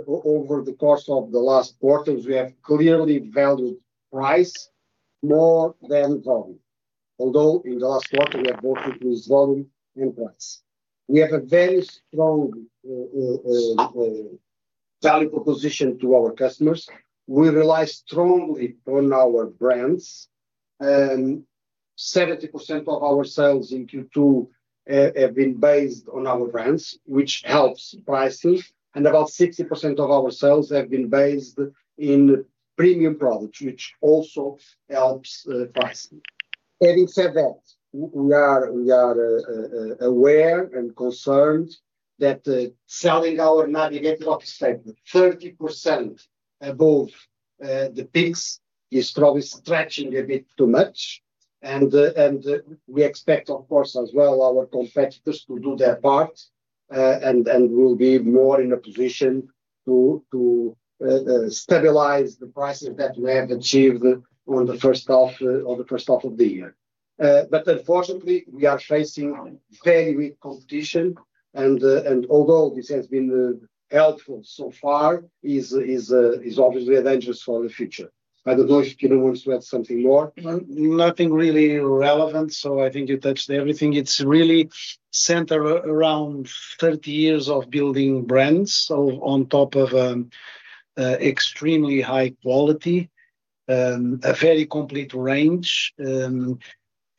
over the course of the last quarters, we have clearly valued price more than volume. Although in the last quarter, we have worked with volume and price. We have a very strong value proposition to our customers. We rely strongly on our brands. 70% of our sales in Q2 have been based on our brands, which helps pricing, and about 60% of our sales have been based in premium products, which also helps pricing. Having said that, we are aware and concerned that selling our Navigator office paper 30% above the PIX is probably stretching a bit too much. We expect, of course, as well our competitors to do their part, and we will be more in a position to stabilize the prices that we have achieved on the first half of the year. Unfortunately, we are facing very weak competition and although this has been helpful so far is obviously advantageous for the future. I do not know if Nuno wants to add something more. Nothing really relevant, I think you touched everything. It's really centered around 30 years of building brands, on top of extremely high quality, a very complete range.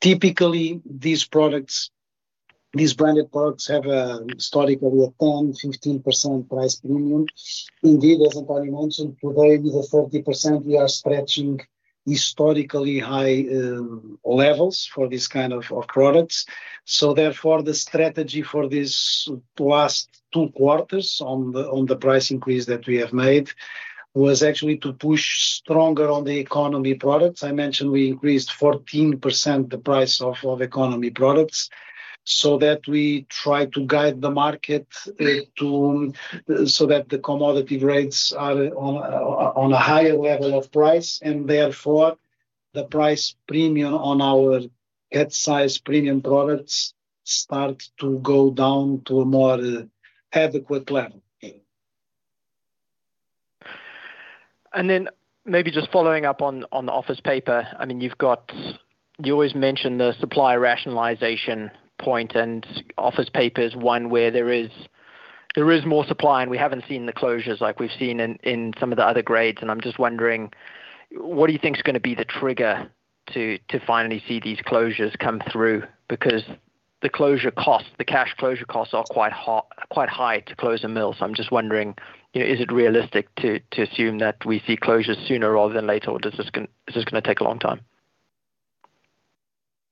Typically, these branded products have historically a 10%-15% price premium. Indeed, as António mentioned, today with the 30%, we are stretching historically high levels for these kind of products. Therefore, the strategy for these last two quarters on the price increase that we have made was actually to push stronger on the economy products. I mentioned we increased 14% the price of economy products that we try to guide the market that the commodity rates are on a higher level of price and therefore the price premium on our high-end premium products start to go down to a more adequate level. Then maybe just following up on the office paper. You always mention the supply rationalization point, office paper is one where there is more supply, and we haven't seen the closures like we've seen in some of the other grades. I'm just wondering, what do you think is going to be the trigger to finally see these closures come through? Because the cash closure costs are quite high to close a mill, I'm just wondering, is it realistic to assume that we see closures sooner rather than later? Is this going to take a long time?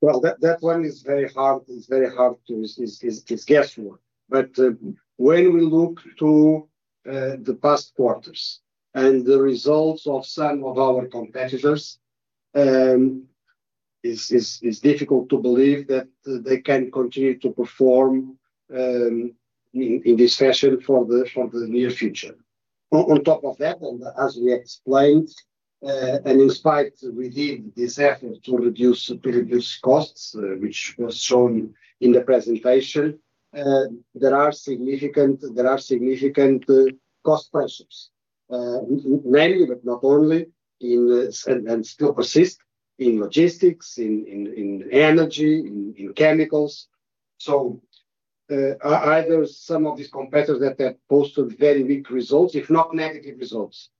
That one is very hard to-- is guesswork. When we look to the past quarters and the results of some of our competitors, it's difficult to believe that they can continue to perform in this fashion for the near future. On top of that, as we explained, and in spite within this effort to reduce costs, which was shown in the presentation, there are significant cost pressures. Many, but not only, still persist in logistics, in energy, in chemicals. Either some of these competitors that have posted very weak results, if not negative results,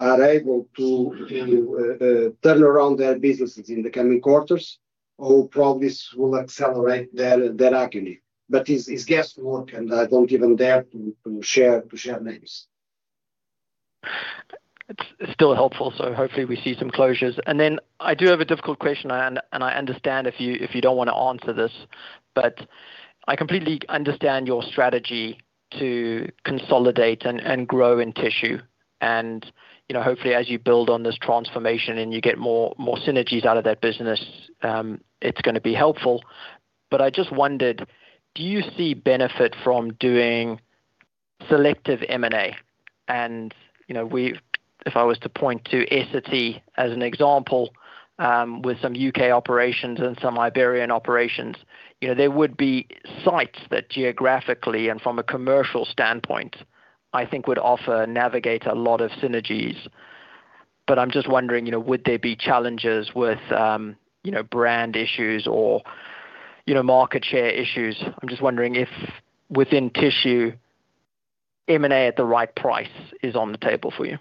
are able to turn around their businesses in the coming quarters, or probably this will accelerate their agony. It's guesswork, and I don't even dare to share names. It's still helpful, hopefully we see some closures. Then I do have a difficult question, and I understand if you don't want to answer this, I completely understand your strategy to consolidate and grow in tissue. Hopefully as you build on this transformation and you get more synergies out of that business, it's going to be helpful. I just wondered, do you see benefit from doing selective M&A? If I was to point to Essity as an example, with some U.K. operations and some Iberian operations, there would be sites that geographically and from a commercial standpoint, I think would offer Navigator a lot of synergies. I'm just wondering, would there be challenges with brand issues or market share issues? I'm just wondering if within tissue, M&A at the right price is on the table for you.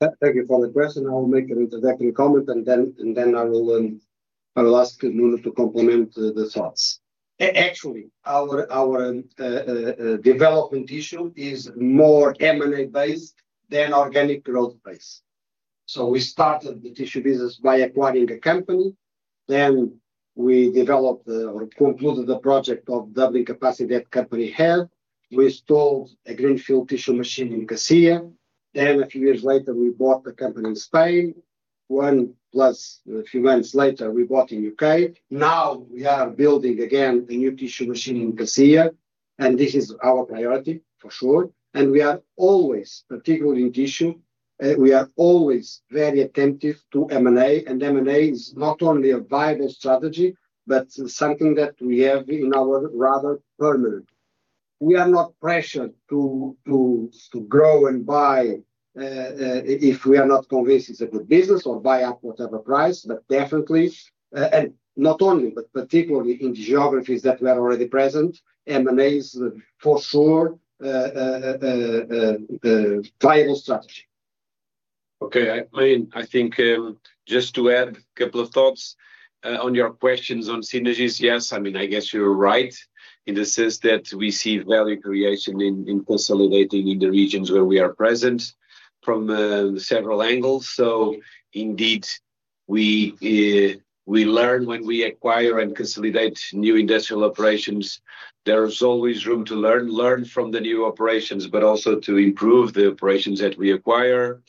Thank you for the question. I will make an introductory comment, and then I will ask Nuno to complement the thoughts. Actually, our development issue is more M&A based than organic growth based. We started the tissue business by acquiring a company, then we developed or concluded the project of doubling capacity that company had. We installed a greenfield tissue machine in Cacia. A few years later, we bought the company in Spain. One plus a few months later, we bought in U.K. Now we are building again a new tissue machine in Cacia, and this is our priority for sure, and we are always, particularly in tissue, we are always very attentive to M&A. M&A is not only a viable strategy, but something that we have in our rather permanent. We are not pressured to grow and buy if we are not convinced it's a good business or buy up whatever price. Definitely, and not only, but particularly in geographies that we are already present, M&A is for sure a viable strategy. Okay. I think just to add a couple of thoughts on your questions on synergies. Yes, I guess you're right in the sense that we see value creation in consolidating in the regions where we are present from several angles. Indeed, we learn when we acquire and consolidate new industrial operations. There is always room to learn from the new operations, but also to improve the operations that we acquired.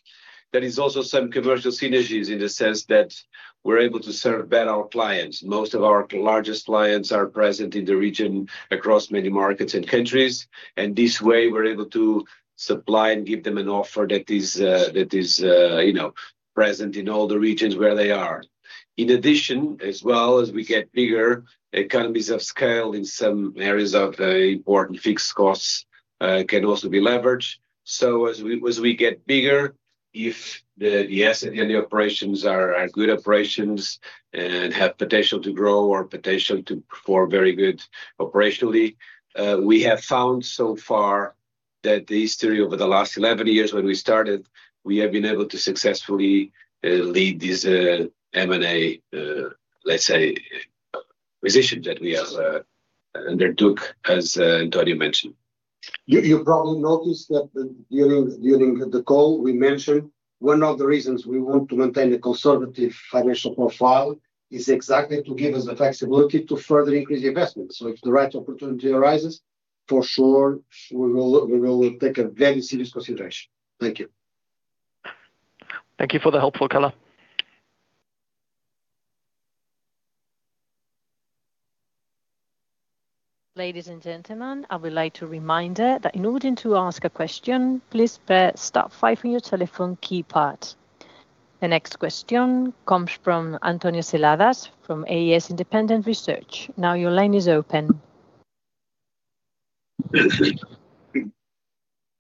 There is also some commercial synergies in the sense that we're able to serve better our clients. Most of our largest clients are present in the region across many markets and countries. This way, we're able to supply and give them an offer that is present in all the regions where they are. In addition, as well as we get bigger, economies of scale in some areas of important fixed costs can also be leveraged. As we get bigger, if the asset and the operations are good operations and have potential to grow or potential to perform very good operationally, we have found so far that the history over the last 11 years when we started, we have been able to successfully lead this M&A, let's say, positions that we have undertook, as António mentioned. You probably noticed that during the call, we mentioned one of the reasons we want to maintain a conservative financial profile is exactly to give us the flexibility to further increase the investment. If the right opportunity arises, for sure, we will take a very serious consideration. Thank you. Thank you for the helpful color. Ladies and gentlemen, I would like to remind that in order to ask a question, please press star five on your telephone keypad. The next question comes from António Seladas from AS Independent Research. Your line is open.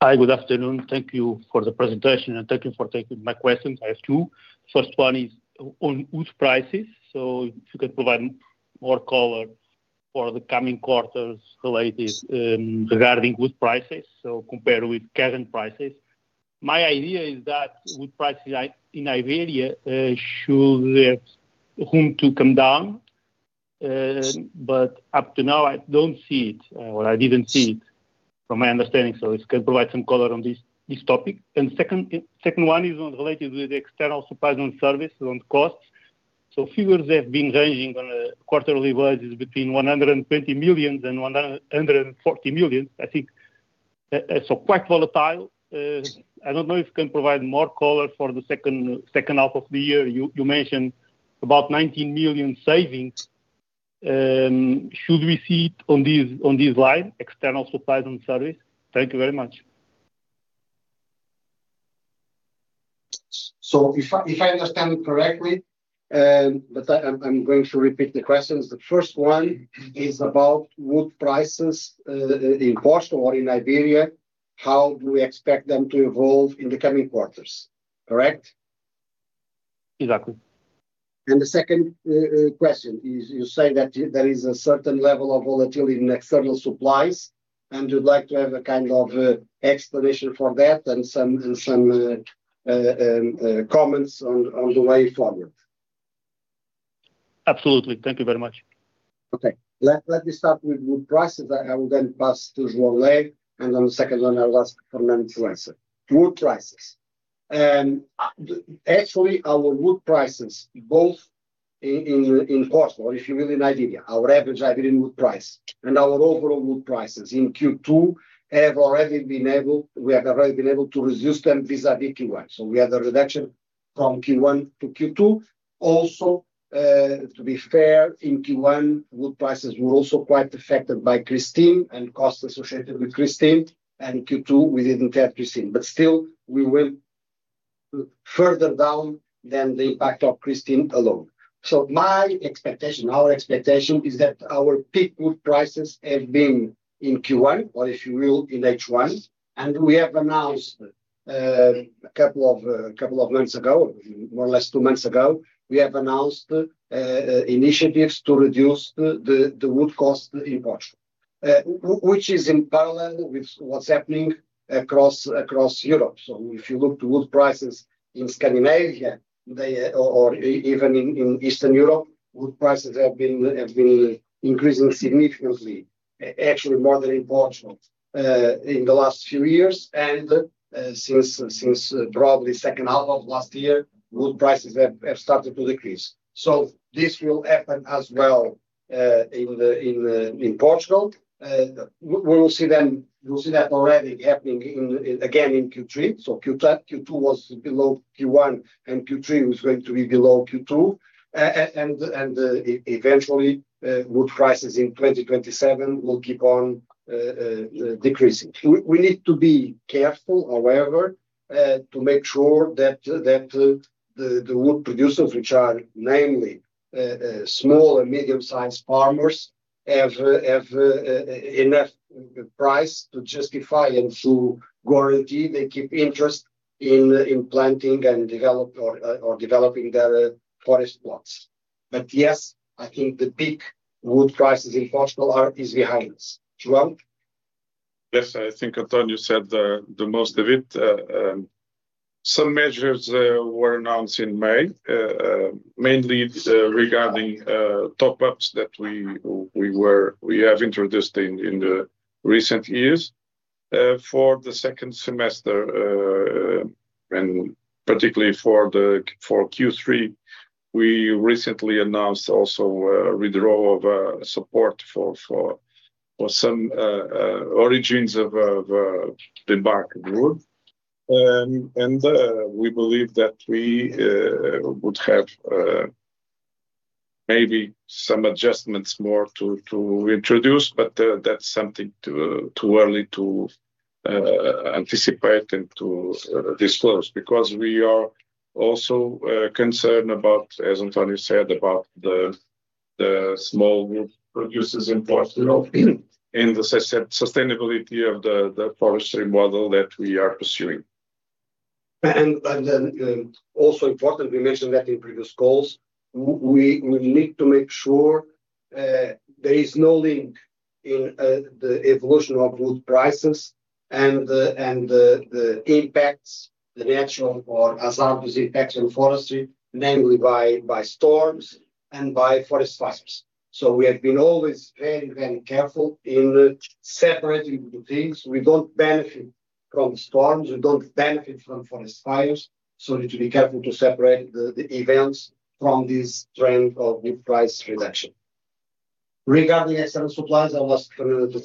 Hi, good afternoon. Thank you for the presentation and thank you for taking my questions. I have two. First one is on wood prices. If you can provide more color for the coming quarters related regarding wood prices, compared with current prices. My idea is that wood prices in Iberia should have room to come down. Up to now, I don't see it or I didn't see it from my understanding. If you can provide some color on this topic. Second one is related with the external supplies on service, on costs. Figures have been ranging on a quarterly basis between 120 million and 140 million, I think. Quite volatile. I don't know if you can provide more color for the second half of the year. You mentioned about 19 million savings. Should we see it on this line, external supplies and service? Thank you very much. If I understand correctly, but I'm going to repeat the questions. The first one is about wood prices in Portugal or in Iberia. How do we expect them to evolve in the coming quarters? Correct? Exactly. The second question is you say that there is a certain level of volatility in external supplies, and you'd like to have a kind of explanation for that and some comments on the way forward. Absolutely. Thank you very much. Okay. Let me start with wood prices. I will then pass to João Lé, and on the second one I will ask Fernando to answer. Wood prices. Actually, our wood prices both in Portugal or if you will, in Iberia, our average Iberian wood price and our overall wood prices in Q2 we have already been able to reduce them vis-à-vis Q1. We had a reduction from Q1 to Q2. Also, to be fair, in Q1, wood prices were also quite affected by Kristin and cost associated with Kristin. Q2, we did not have Kristin, but still we went further down than the impact of Kristin alone. Our expectation is that our peak wood prices have been in Q1 or if you will, in H1. We have announced a couple of months ago, more or less two months ago, we have announced initiatives to reduce the wood cost in Portugal. Which is in parallel with what's happening across Europe. If you look to wood prices in Scandinavia or even in Eastern Europe, wood prices have been increasing significantly, actually more than in Portugal, in the last few years. Since probably second half of last year, wood prices have started to decrease. This will happen as well in Portugal. You will see that already happening again in Q3. Q2 was below Q1, and Q3 was going to be below Q2. Eventually, wood prices in 2027 will keep on decreasing. We need to be careful, however, to make sure that the wood producers, which are namely small and medium-sized farmers, have enough price to justify and to guarantee they keep interest in planting or developing their forest plots. Yes, I think the peak wood prices in Portugal is behind us. João? Yes, I think António said the most of it. Some measures were announced in May, mainly regarding top-ups that we have introduced in the recent years. For the second semester, and particularly for Q3, we recently announced also a withdrawal of support for some origins of the bark wood. We believe that we would have maybe some adjustments more to introduce, but that's something too early to anticipate and to disclose because we are also concerned about, as António said, about the small group producers' importance and the sustainability of the forestry model that we are pursuing. Also important, we mentioned that in previous calls, we need to make sure there is no link in the evolution of wood prices and the impacts, the natural or exogenous impacts on forestry, namely by storms and by forest fires. We have been always very, very careful in separating the things. We don't benefit from storms, we don't benefit from forest fires. We need to be careful to separate the events from this trend of wood price reduction. Regarding external supplies, I will ask Fernando to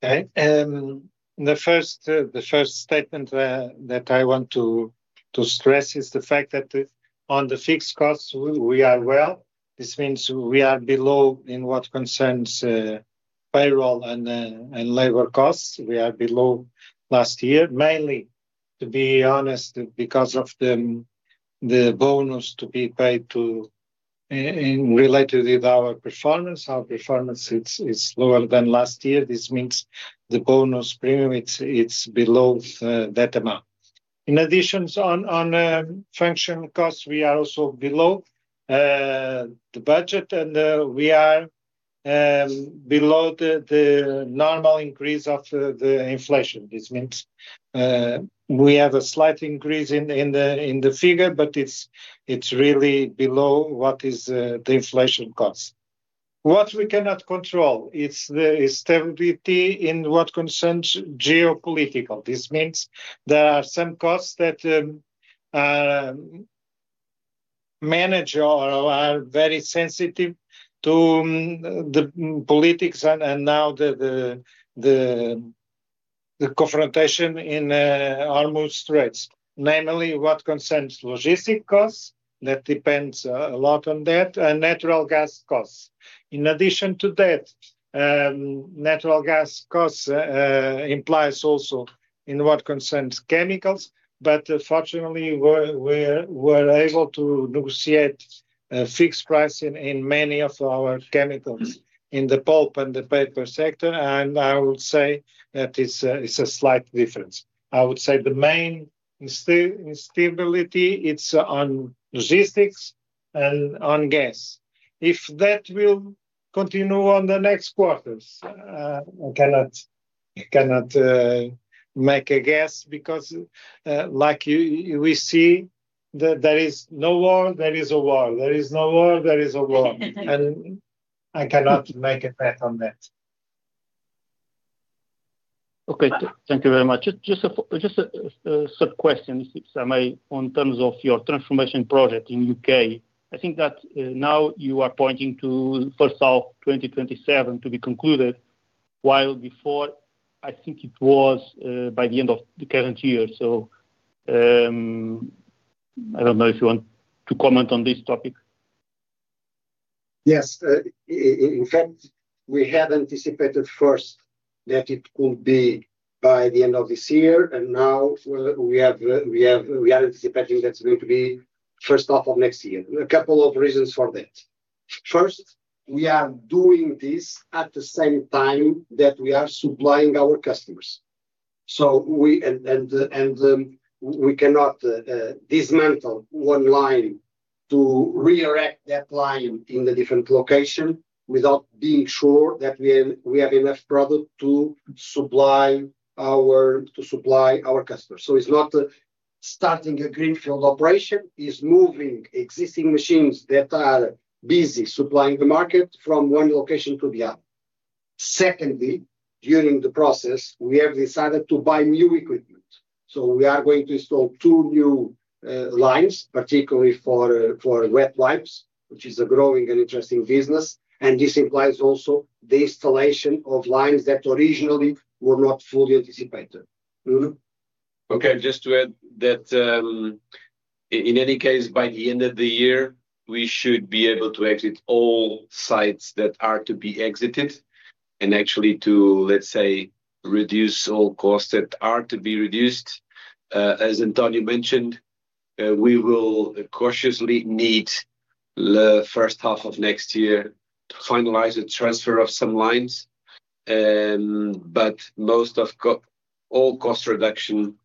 step in. The first statement that I want to stress is the fact that on the fixed costs, we are well. This means we are below in what concerns payroll and labor costs. We are below last year. Mainly, to be honest, because of the bonus to be paid related with our performance. Our performance is lower than last year. This means the bonus premium is below that amount. In addition, on function costs, we are also below the budget, and we are below the normal increase of the inflation. This means, we have a slight increase in the figure, but it is really below what is the inflation costs. What we cannot control is the stability in what concerns geopolitical. This means there are some costs that manage or are very sensitive to the politics and now the confrontation in almost threats. Namely, what concerns logistic costs, that depends a lot on that, and natural gas costs. In addition to that, natural gas costs implies also in what concerns chemicals, but fortunately, we are able to negotiate a fixed price in many of our chemicals in the pulp and the paper sector, and I would say that it is a slight difference. I would say the main instability is on logistics and on gas. If that will continue on the next quarters, I cannot make a guess because, like we see, there is no war, there is a war. There is no war, there is a war. I cannot make a bet on that. Thank you very much. Just a third question, if I may, on terms of your transformation project in U.K. I think that now you are pointing to first half 2027 to be concluded, while before I think it was by the end of the current year. I don't know if you want to comment on this topic. Yes. In fact, we had anticipated first that it could be by the end of this year, now we are anticipating that's going to be first half of next year. A couple of reasons for that. First, we are doing this at the same time that we are supplying our customers. We cannot dismantle one line to re-erect that line in the different location without being sure that we have enough product to supply our customers. It's not starting a greenfield operation, it's moving existing machines that are busy supplying the market from one location to the other. Secondly, during the process, we have decided to buy new equipment. We are going to install two new lines, particularly for wet wipes, which is a growing and interesting business. This implies also the installation of lines that originally were not fully anticipated. Nuno? Okay. Just to add that, in any case, by the end of the year, we should be able to exit all sites that are to be exited, and actually to, let's say, reduce all costs that are to be reduced. As António mentioned, we will cautiously need the first half of next year to finalize the transfer of some lines. Most of all cost reduction,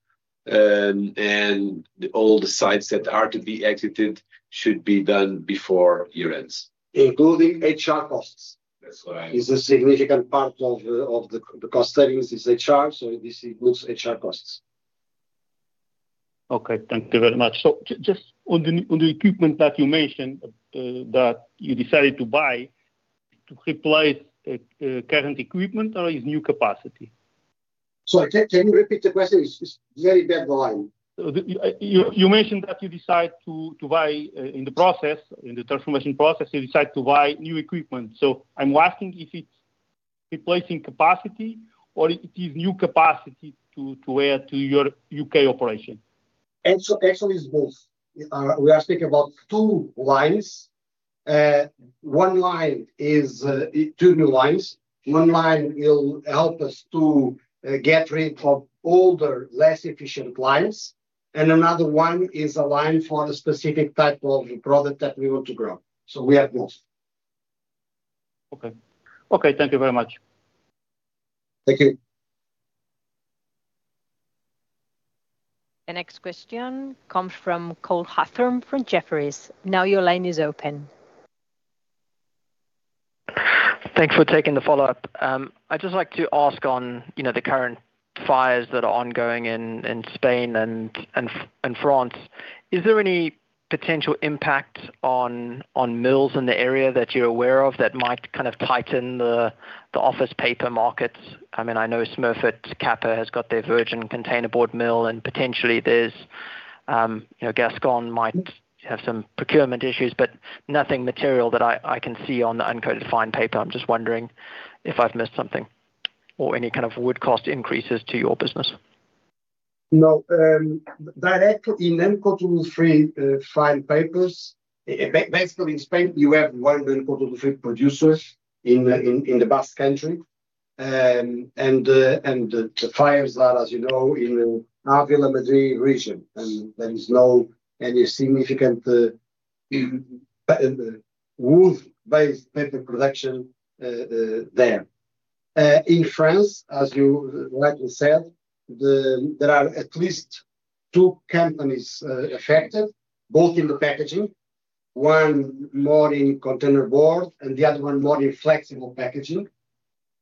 and all the sites that are to be exited should be done before year ends. Including HR costs. That's right. Is a significant part of the cost savings is HR, this includes HR costs. Okay. Thank you very much. Just on the equipment that you mentioned that you decided to buy, to replace current equipment or is new capacity? Sorry, can you repeat the question? It is very bad line. You mentioned that you decide to buy in the transformation process, you decide to buy new equipment. I am asking if it is replacing capacity or it is new capacity to add to your U.K. operation? Actually, it's both. We are speaking about two lines. Two new lines. One line will help us to get rid of older, less efficient lines, and another one is a line for a specific type of product that we want to grow. We have both. Okay. Thank you very much. Thank you. The next question comes from Cole Hathorn from Jefferies. Your line is open. Thanks for taking the follow-up. I'd just like to ask on the current fires that are ongoing in Spain and France, is there any potential impact on mills in the area that you're aware of that might tighten the office paper markets? I know Smurfit Kappa has got their virgin container board mill and potentially Gascogne might have some procurement issues, but nothing material that I can see on the uncoated fine paper. I'm just wondering if I've missed something or any kind of wood cost increases to your business. No. Direct in uncoated free fine papers, basically in Spain, you have one uncoated free producer in the Basque Country. The fires are, as you know, in the Ávila, Madrid region, and there is not any significant wood-based paper production there. In France, as you rightly said, there are at least two companies affected, both in the packaging, one more in container board and the other one more in flexible packaging,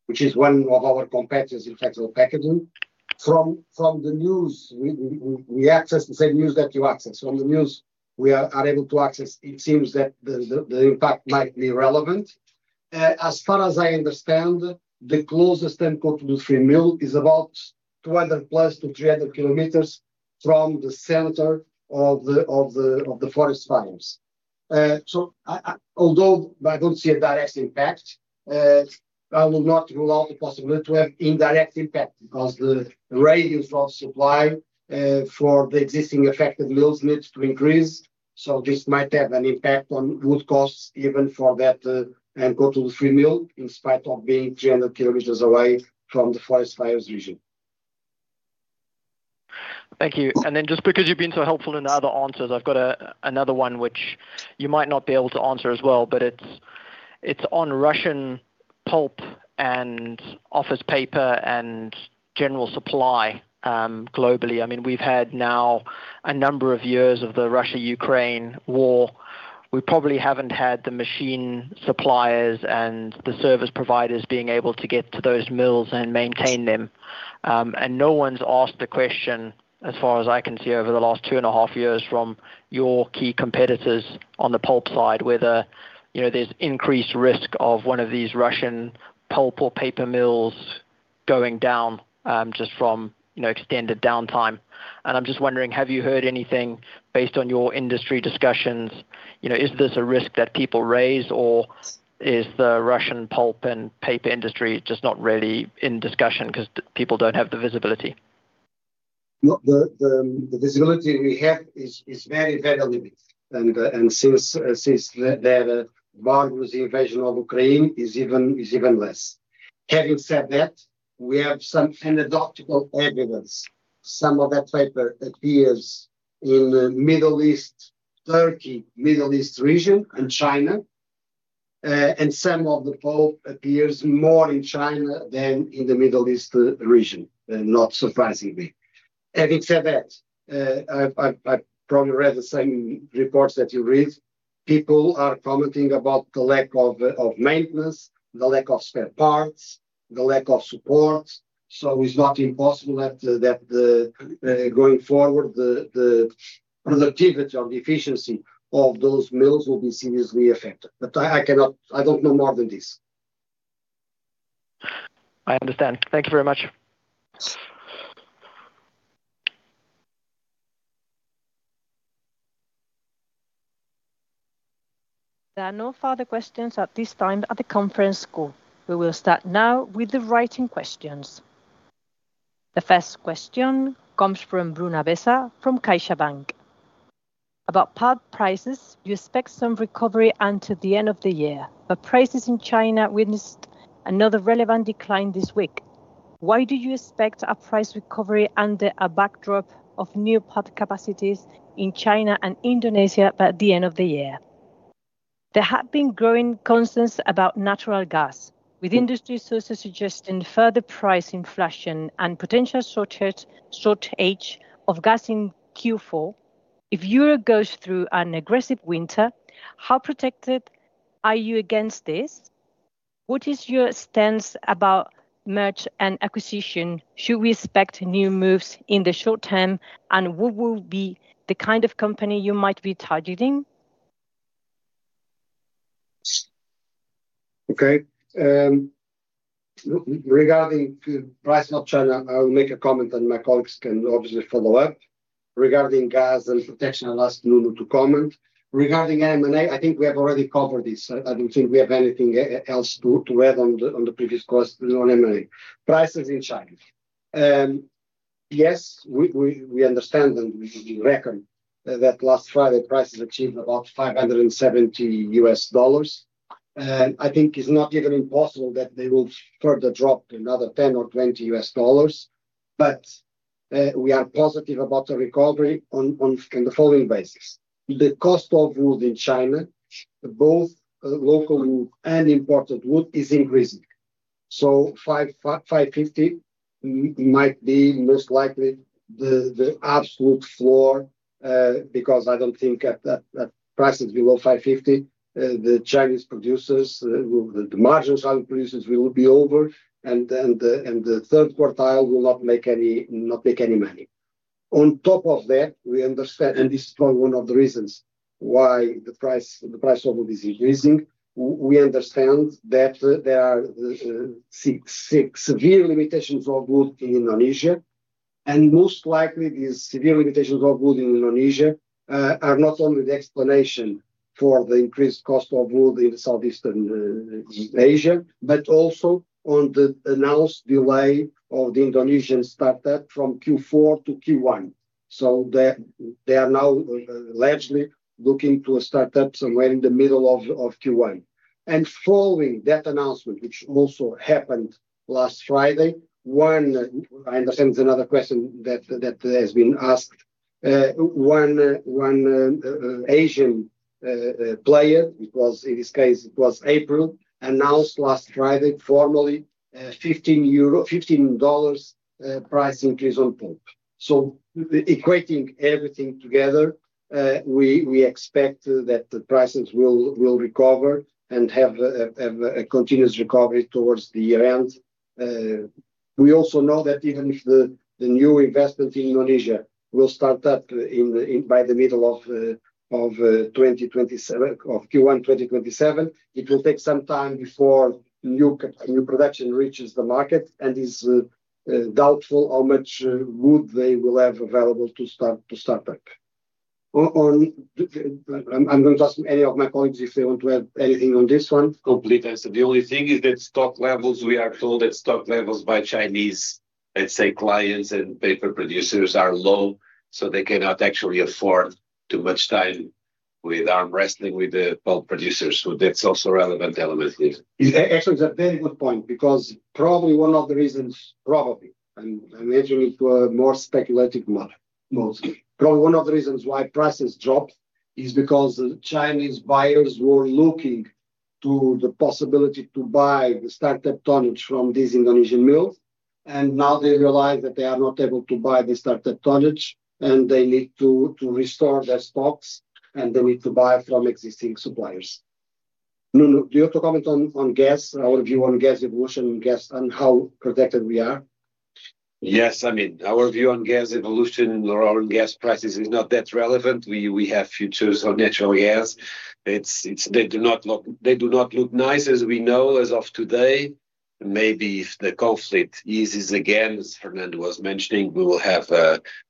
which is one of our competitors in flexible packaging. From the news, we access the same news that you access. From the news we are able to access, it seems that the impact might be relevant. As far as I understand, the closest uncoated free mill is about 200-300 km from the center of the forest fires. Although I don't see a direct impact, I will not rule out the possibility to have indirect impact because the radius of supply for the existing affected mills needs to increase, so this might have an impact on wood costs even for that uncoated free mill, in spite of being 300 km away from the forest fires region. Thank you. Then just because you've been so helpful in other answers, I've got another one which you might not be able to answer as well, but it's on Russian pulp and office paper and general supply globally. We've had now a number of years of the Russia-Ukraine war. We probably haven't had the machine suppliers and the service providers being able to get to those mills and maintain them. No one's asked the question, as far as I can see, over the last two and a half years from your key competitors on the pulp side, whether there's increased risk of one of these Russian pulp or paper mills going down just from extended downtime. I'm just wondering, have you heard anything based on your industry discussions? Is this a risk that people raise, or is the Russian pulp and paper industry just not really in discussion because people don't have the visibility? No. The visibility we have is very limited, since the barbarous invasion of Ukraine. is even less. Having said that, we have some anecdotal evidence. Some of that paper appears in the Middle East, Turkey, Middle East region and China. Some of the pulp appears more in China than in the Middle East region, not surprisingly. Having said that, I probably read the same reports that you read. People are commenting about the lack of maintenance, the lack of spare parts, the lack of support. It's not impossible that going forward, the productivity or the efficiency of those mills will be seriously affected, but I don't know more than this. I understand. Thank you very much. There are no further questions at this time at the conference call. We will start now with the written questions. The first question comes from Bruna Bessa from CaixaBank. About pulp prices, you expect some recovery until the end of the year, prices in China witnessed another relevant decline this week. Why do you expect a price recovery under a backdrop of new pulp capacities in China and Indonesia by the end of the year? There have been growing concerns about natural gas, with industry sources suggesting further price inflation and potential shortage of gas in Q4. If Europe goes through an aggressive winter, how protected are you against this? What is your stance about merge and acquisition? Should we expect new moves in the short term, and what will be the kind of company you might be targeting? Okay. Regarding price of China, I will make a comment and my colleagues can obviously follow up. Regarding gas and protection, I will ask Nuno to comment. Regarding M&A, I think we have already covered this. I do not think we have anything else to add on the previous cost on M&A. Prices in China. Yes, we understand and we reckon that last Friday, prices achieved about $570. I think it is not even impossible that they will further drop another $10 or $20, but we are positive about the recovery on the following basis. The cost of wood in China, both local and imported wood, is increasing. $550 might be most likely the absolute floor, because I do not think at prices below $550, the margins our producers will be over, and the third quartile will not make any money. On top of that, and this is probably one of the reasons why the price of wood is increasing. We understand that there are severe limitations of wood in Indonesia, and most likely, these severe limitations of wood in Indonesia are not only the explanation for the increased cost of wood in Southeastern Asia, but also on the announced delay of the Indonesian startup from Q4 to Q1. They are now allegedly looking to start up somewhere in the middle of Q1. Following that announcement, which also happened last Friday, I understand it is another question that has been asked, one Asian player, in this case, it was APRIL, announced last Friday, formally $15 price increase on pulp. Equating everything together, we expect that the prices will recover and have a continuous recovery towards the year-end. We also know that even if the new investment in Indonesia will start up by the middle of Q1 2027, it will take some time before new production reaches the market, and it is doubtful how much wood they will have available to start up. I am going to ask any of my colleagues if they want to add anything on this one. Complete answer. The only thing is that stock levels, we are told that stock levels by Chinese, let us say, clients and paper producers are low, so they cannot actually afford too much time with arm wrestling with the pulp producers. That is also relevant element here. Actually, it's a very good point because probably one of the reasons, probably, I'm entering into a more speculative matter, mostly, probably one of the reasons why prices dropped is because the Chinese buyers were looking to the possibility to buy the startup tonnage from these Indonesian mills. Now they realize that they are not able to buy the startup tonnage, and they need to restore their stocks, and they need to buy from existing suppliers. Nuno, do you want to comment on gas? Our view on gas evolution and how protected we are? Yes. Our view on gas evolution or on gas prices is not that relevant. We have futures on natural gas. They do not look nice as we know as of today. Maybe if the conflict eases again, as Fernando was mentioning, we will have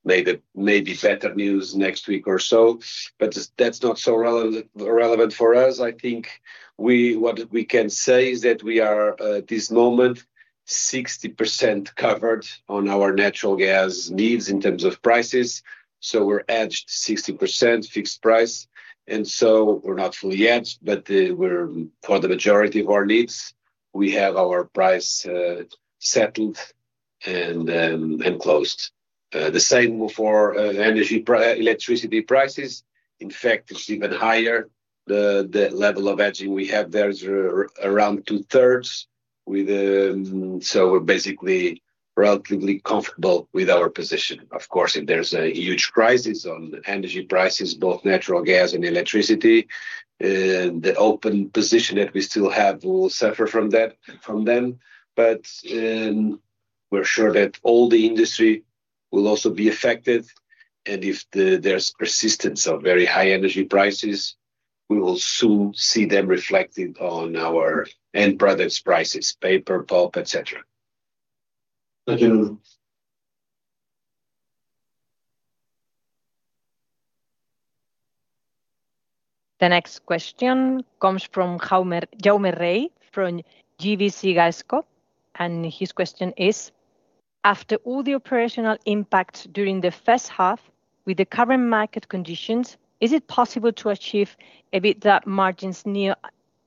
maybe better news next week or so, but that's not so relevant for us. I think what we can say is that we are, at this moment, 60% covered on our natural gas needs in terms of prices. We're edged 60% fixed price, and we're not fully hedged, but for the majority of our needs, we have our price settled and closed. The same for energy electricity prices. In fact, it's even higher, the level of hedging we have there is around two-thirds. We're basically relatively comfortable with our position. Of course, if there's a huge crisis on energy prices, both natural gas and electricity, the open position that we still have will suffer from them. We're sure that all the industry will also be affected, and if there's persistence of very high energy prices, we will soon see them reflected on our end products prices, paper, pulp, et cetera. Thank you, Nuno. The next question comes from Jaume Puig from GVC Gaesco, and his question is: After all the operational impact during the first half with the current market conditions, is it possible to achieve EBITDA margins near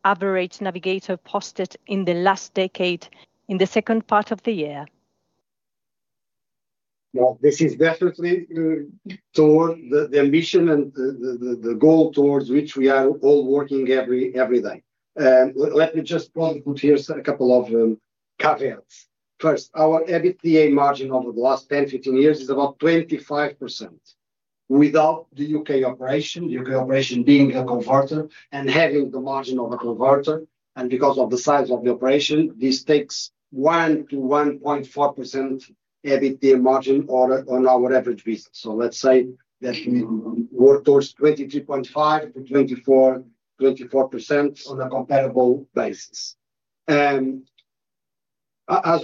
average Navigator posted in the last decade in the second part of the year? Well, this is definitely toward the ambition and the goal towards which we are all working every day. Let me just probably put here a couple of caveats. First, our EBITDA margin over the last 10, 15 years is about 25%. Without the U.K. operation, U.K. operation being a converter and having the margin of a converter, and because of the size of the operation, this takes 1%-1.4% EBITDA margin on our average basis. Let's say that we work towards 23.5%-24% on a comparable basis. As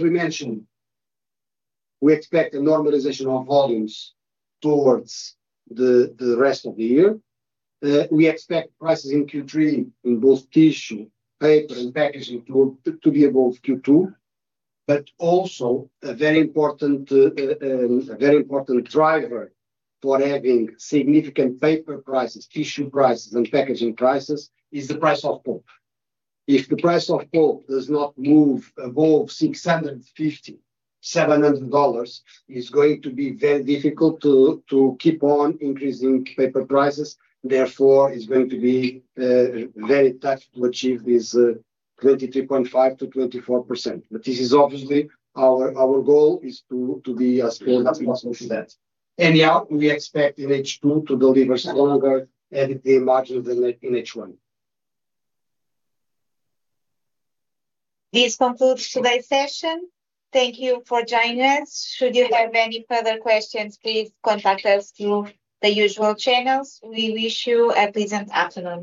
we mentioned, we expect a normalization of volumes towards the rest of the year. We expect prices in Q3 in both tissue, paper, and packaging to be above Q2. Also a very important driver for having significant paper prices, tissue prices, and packaging prices is the price of pulp. If the price of pulp does not move above $650, $700, it is going to be very difficult to keep on increasing paper prices. Therefore, it is going to be very tough to achieve this 23.5%-24%. This is obviously our goal is to be as close as possible to that. Anyhow, we expect in H2 to deliver stronger EBITDA margins than in H1. This concludes today's session. Thank you for joining us. Should you have any further questions, please contact us through the usual channels. We wish you a pleasant afternoon.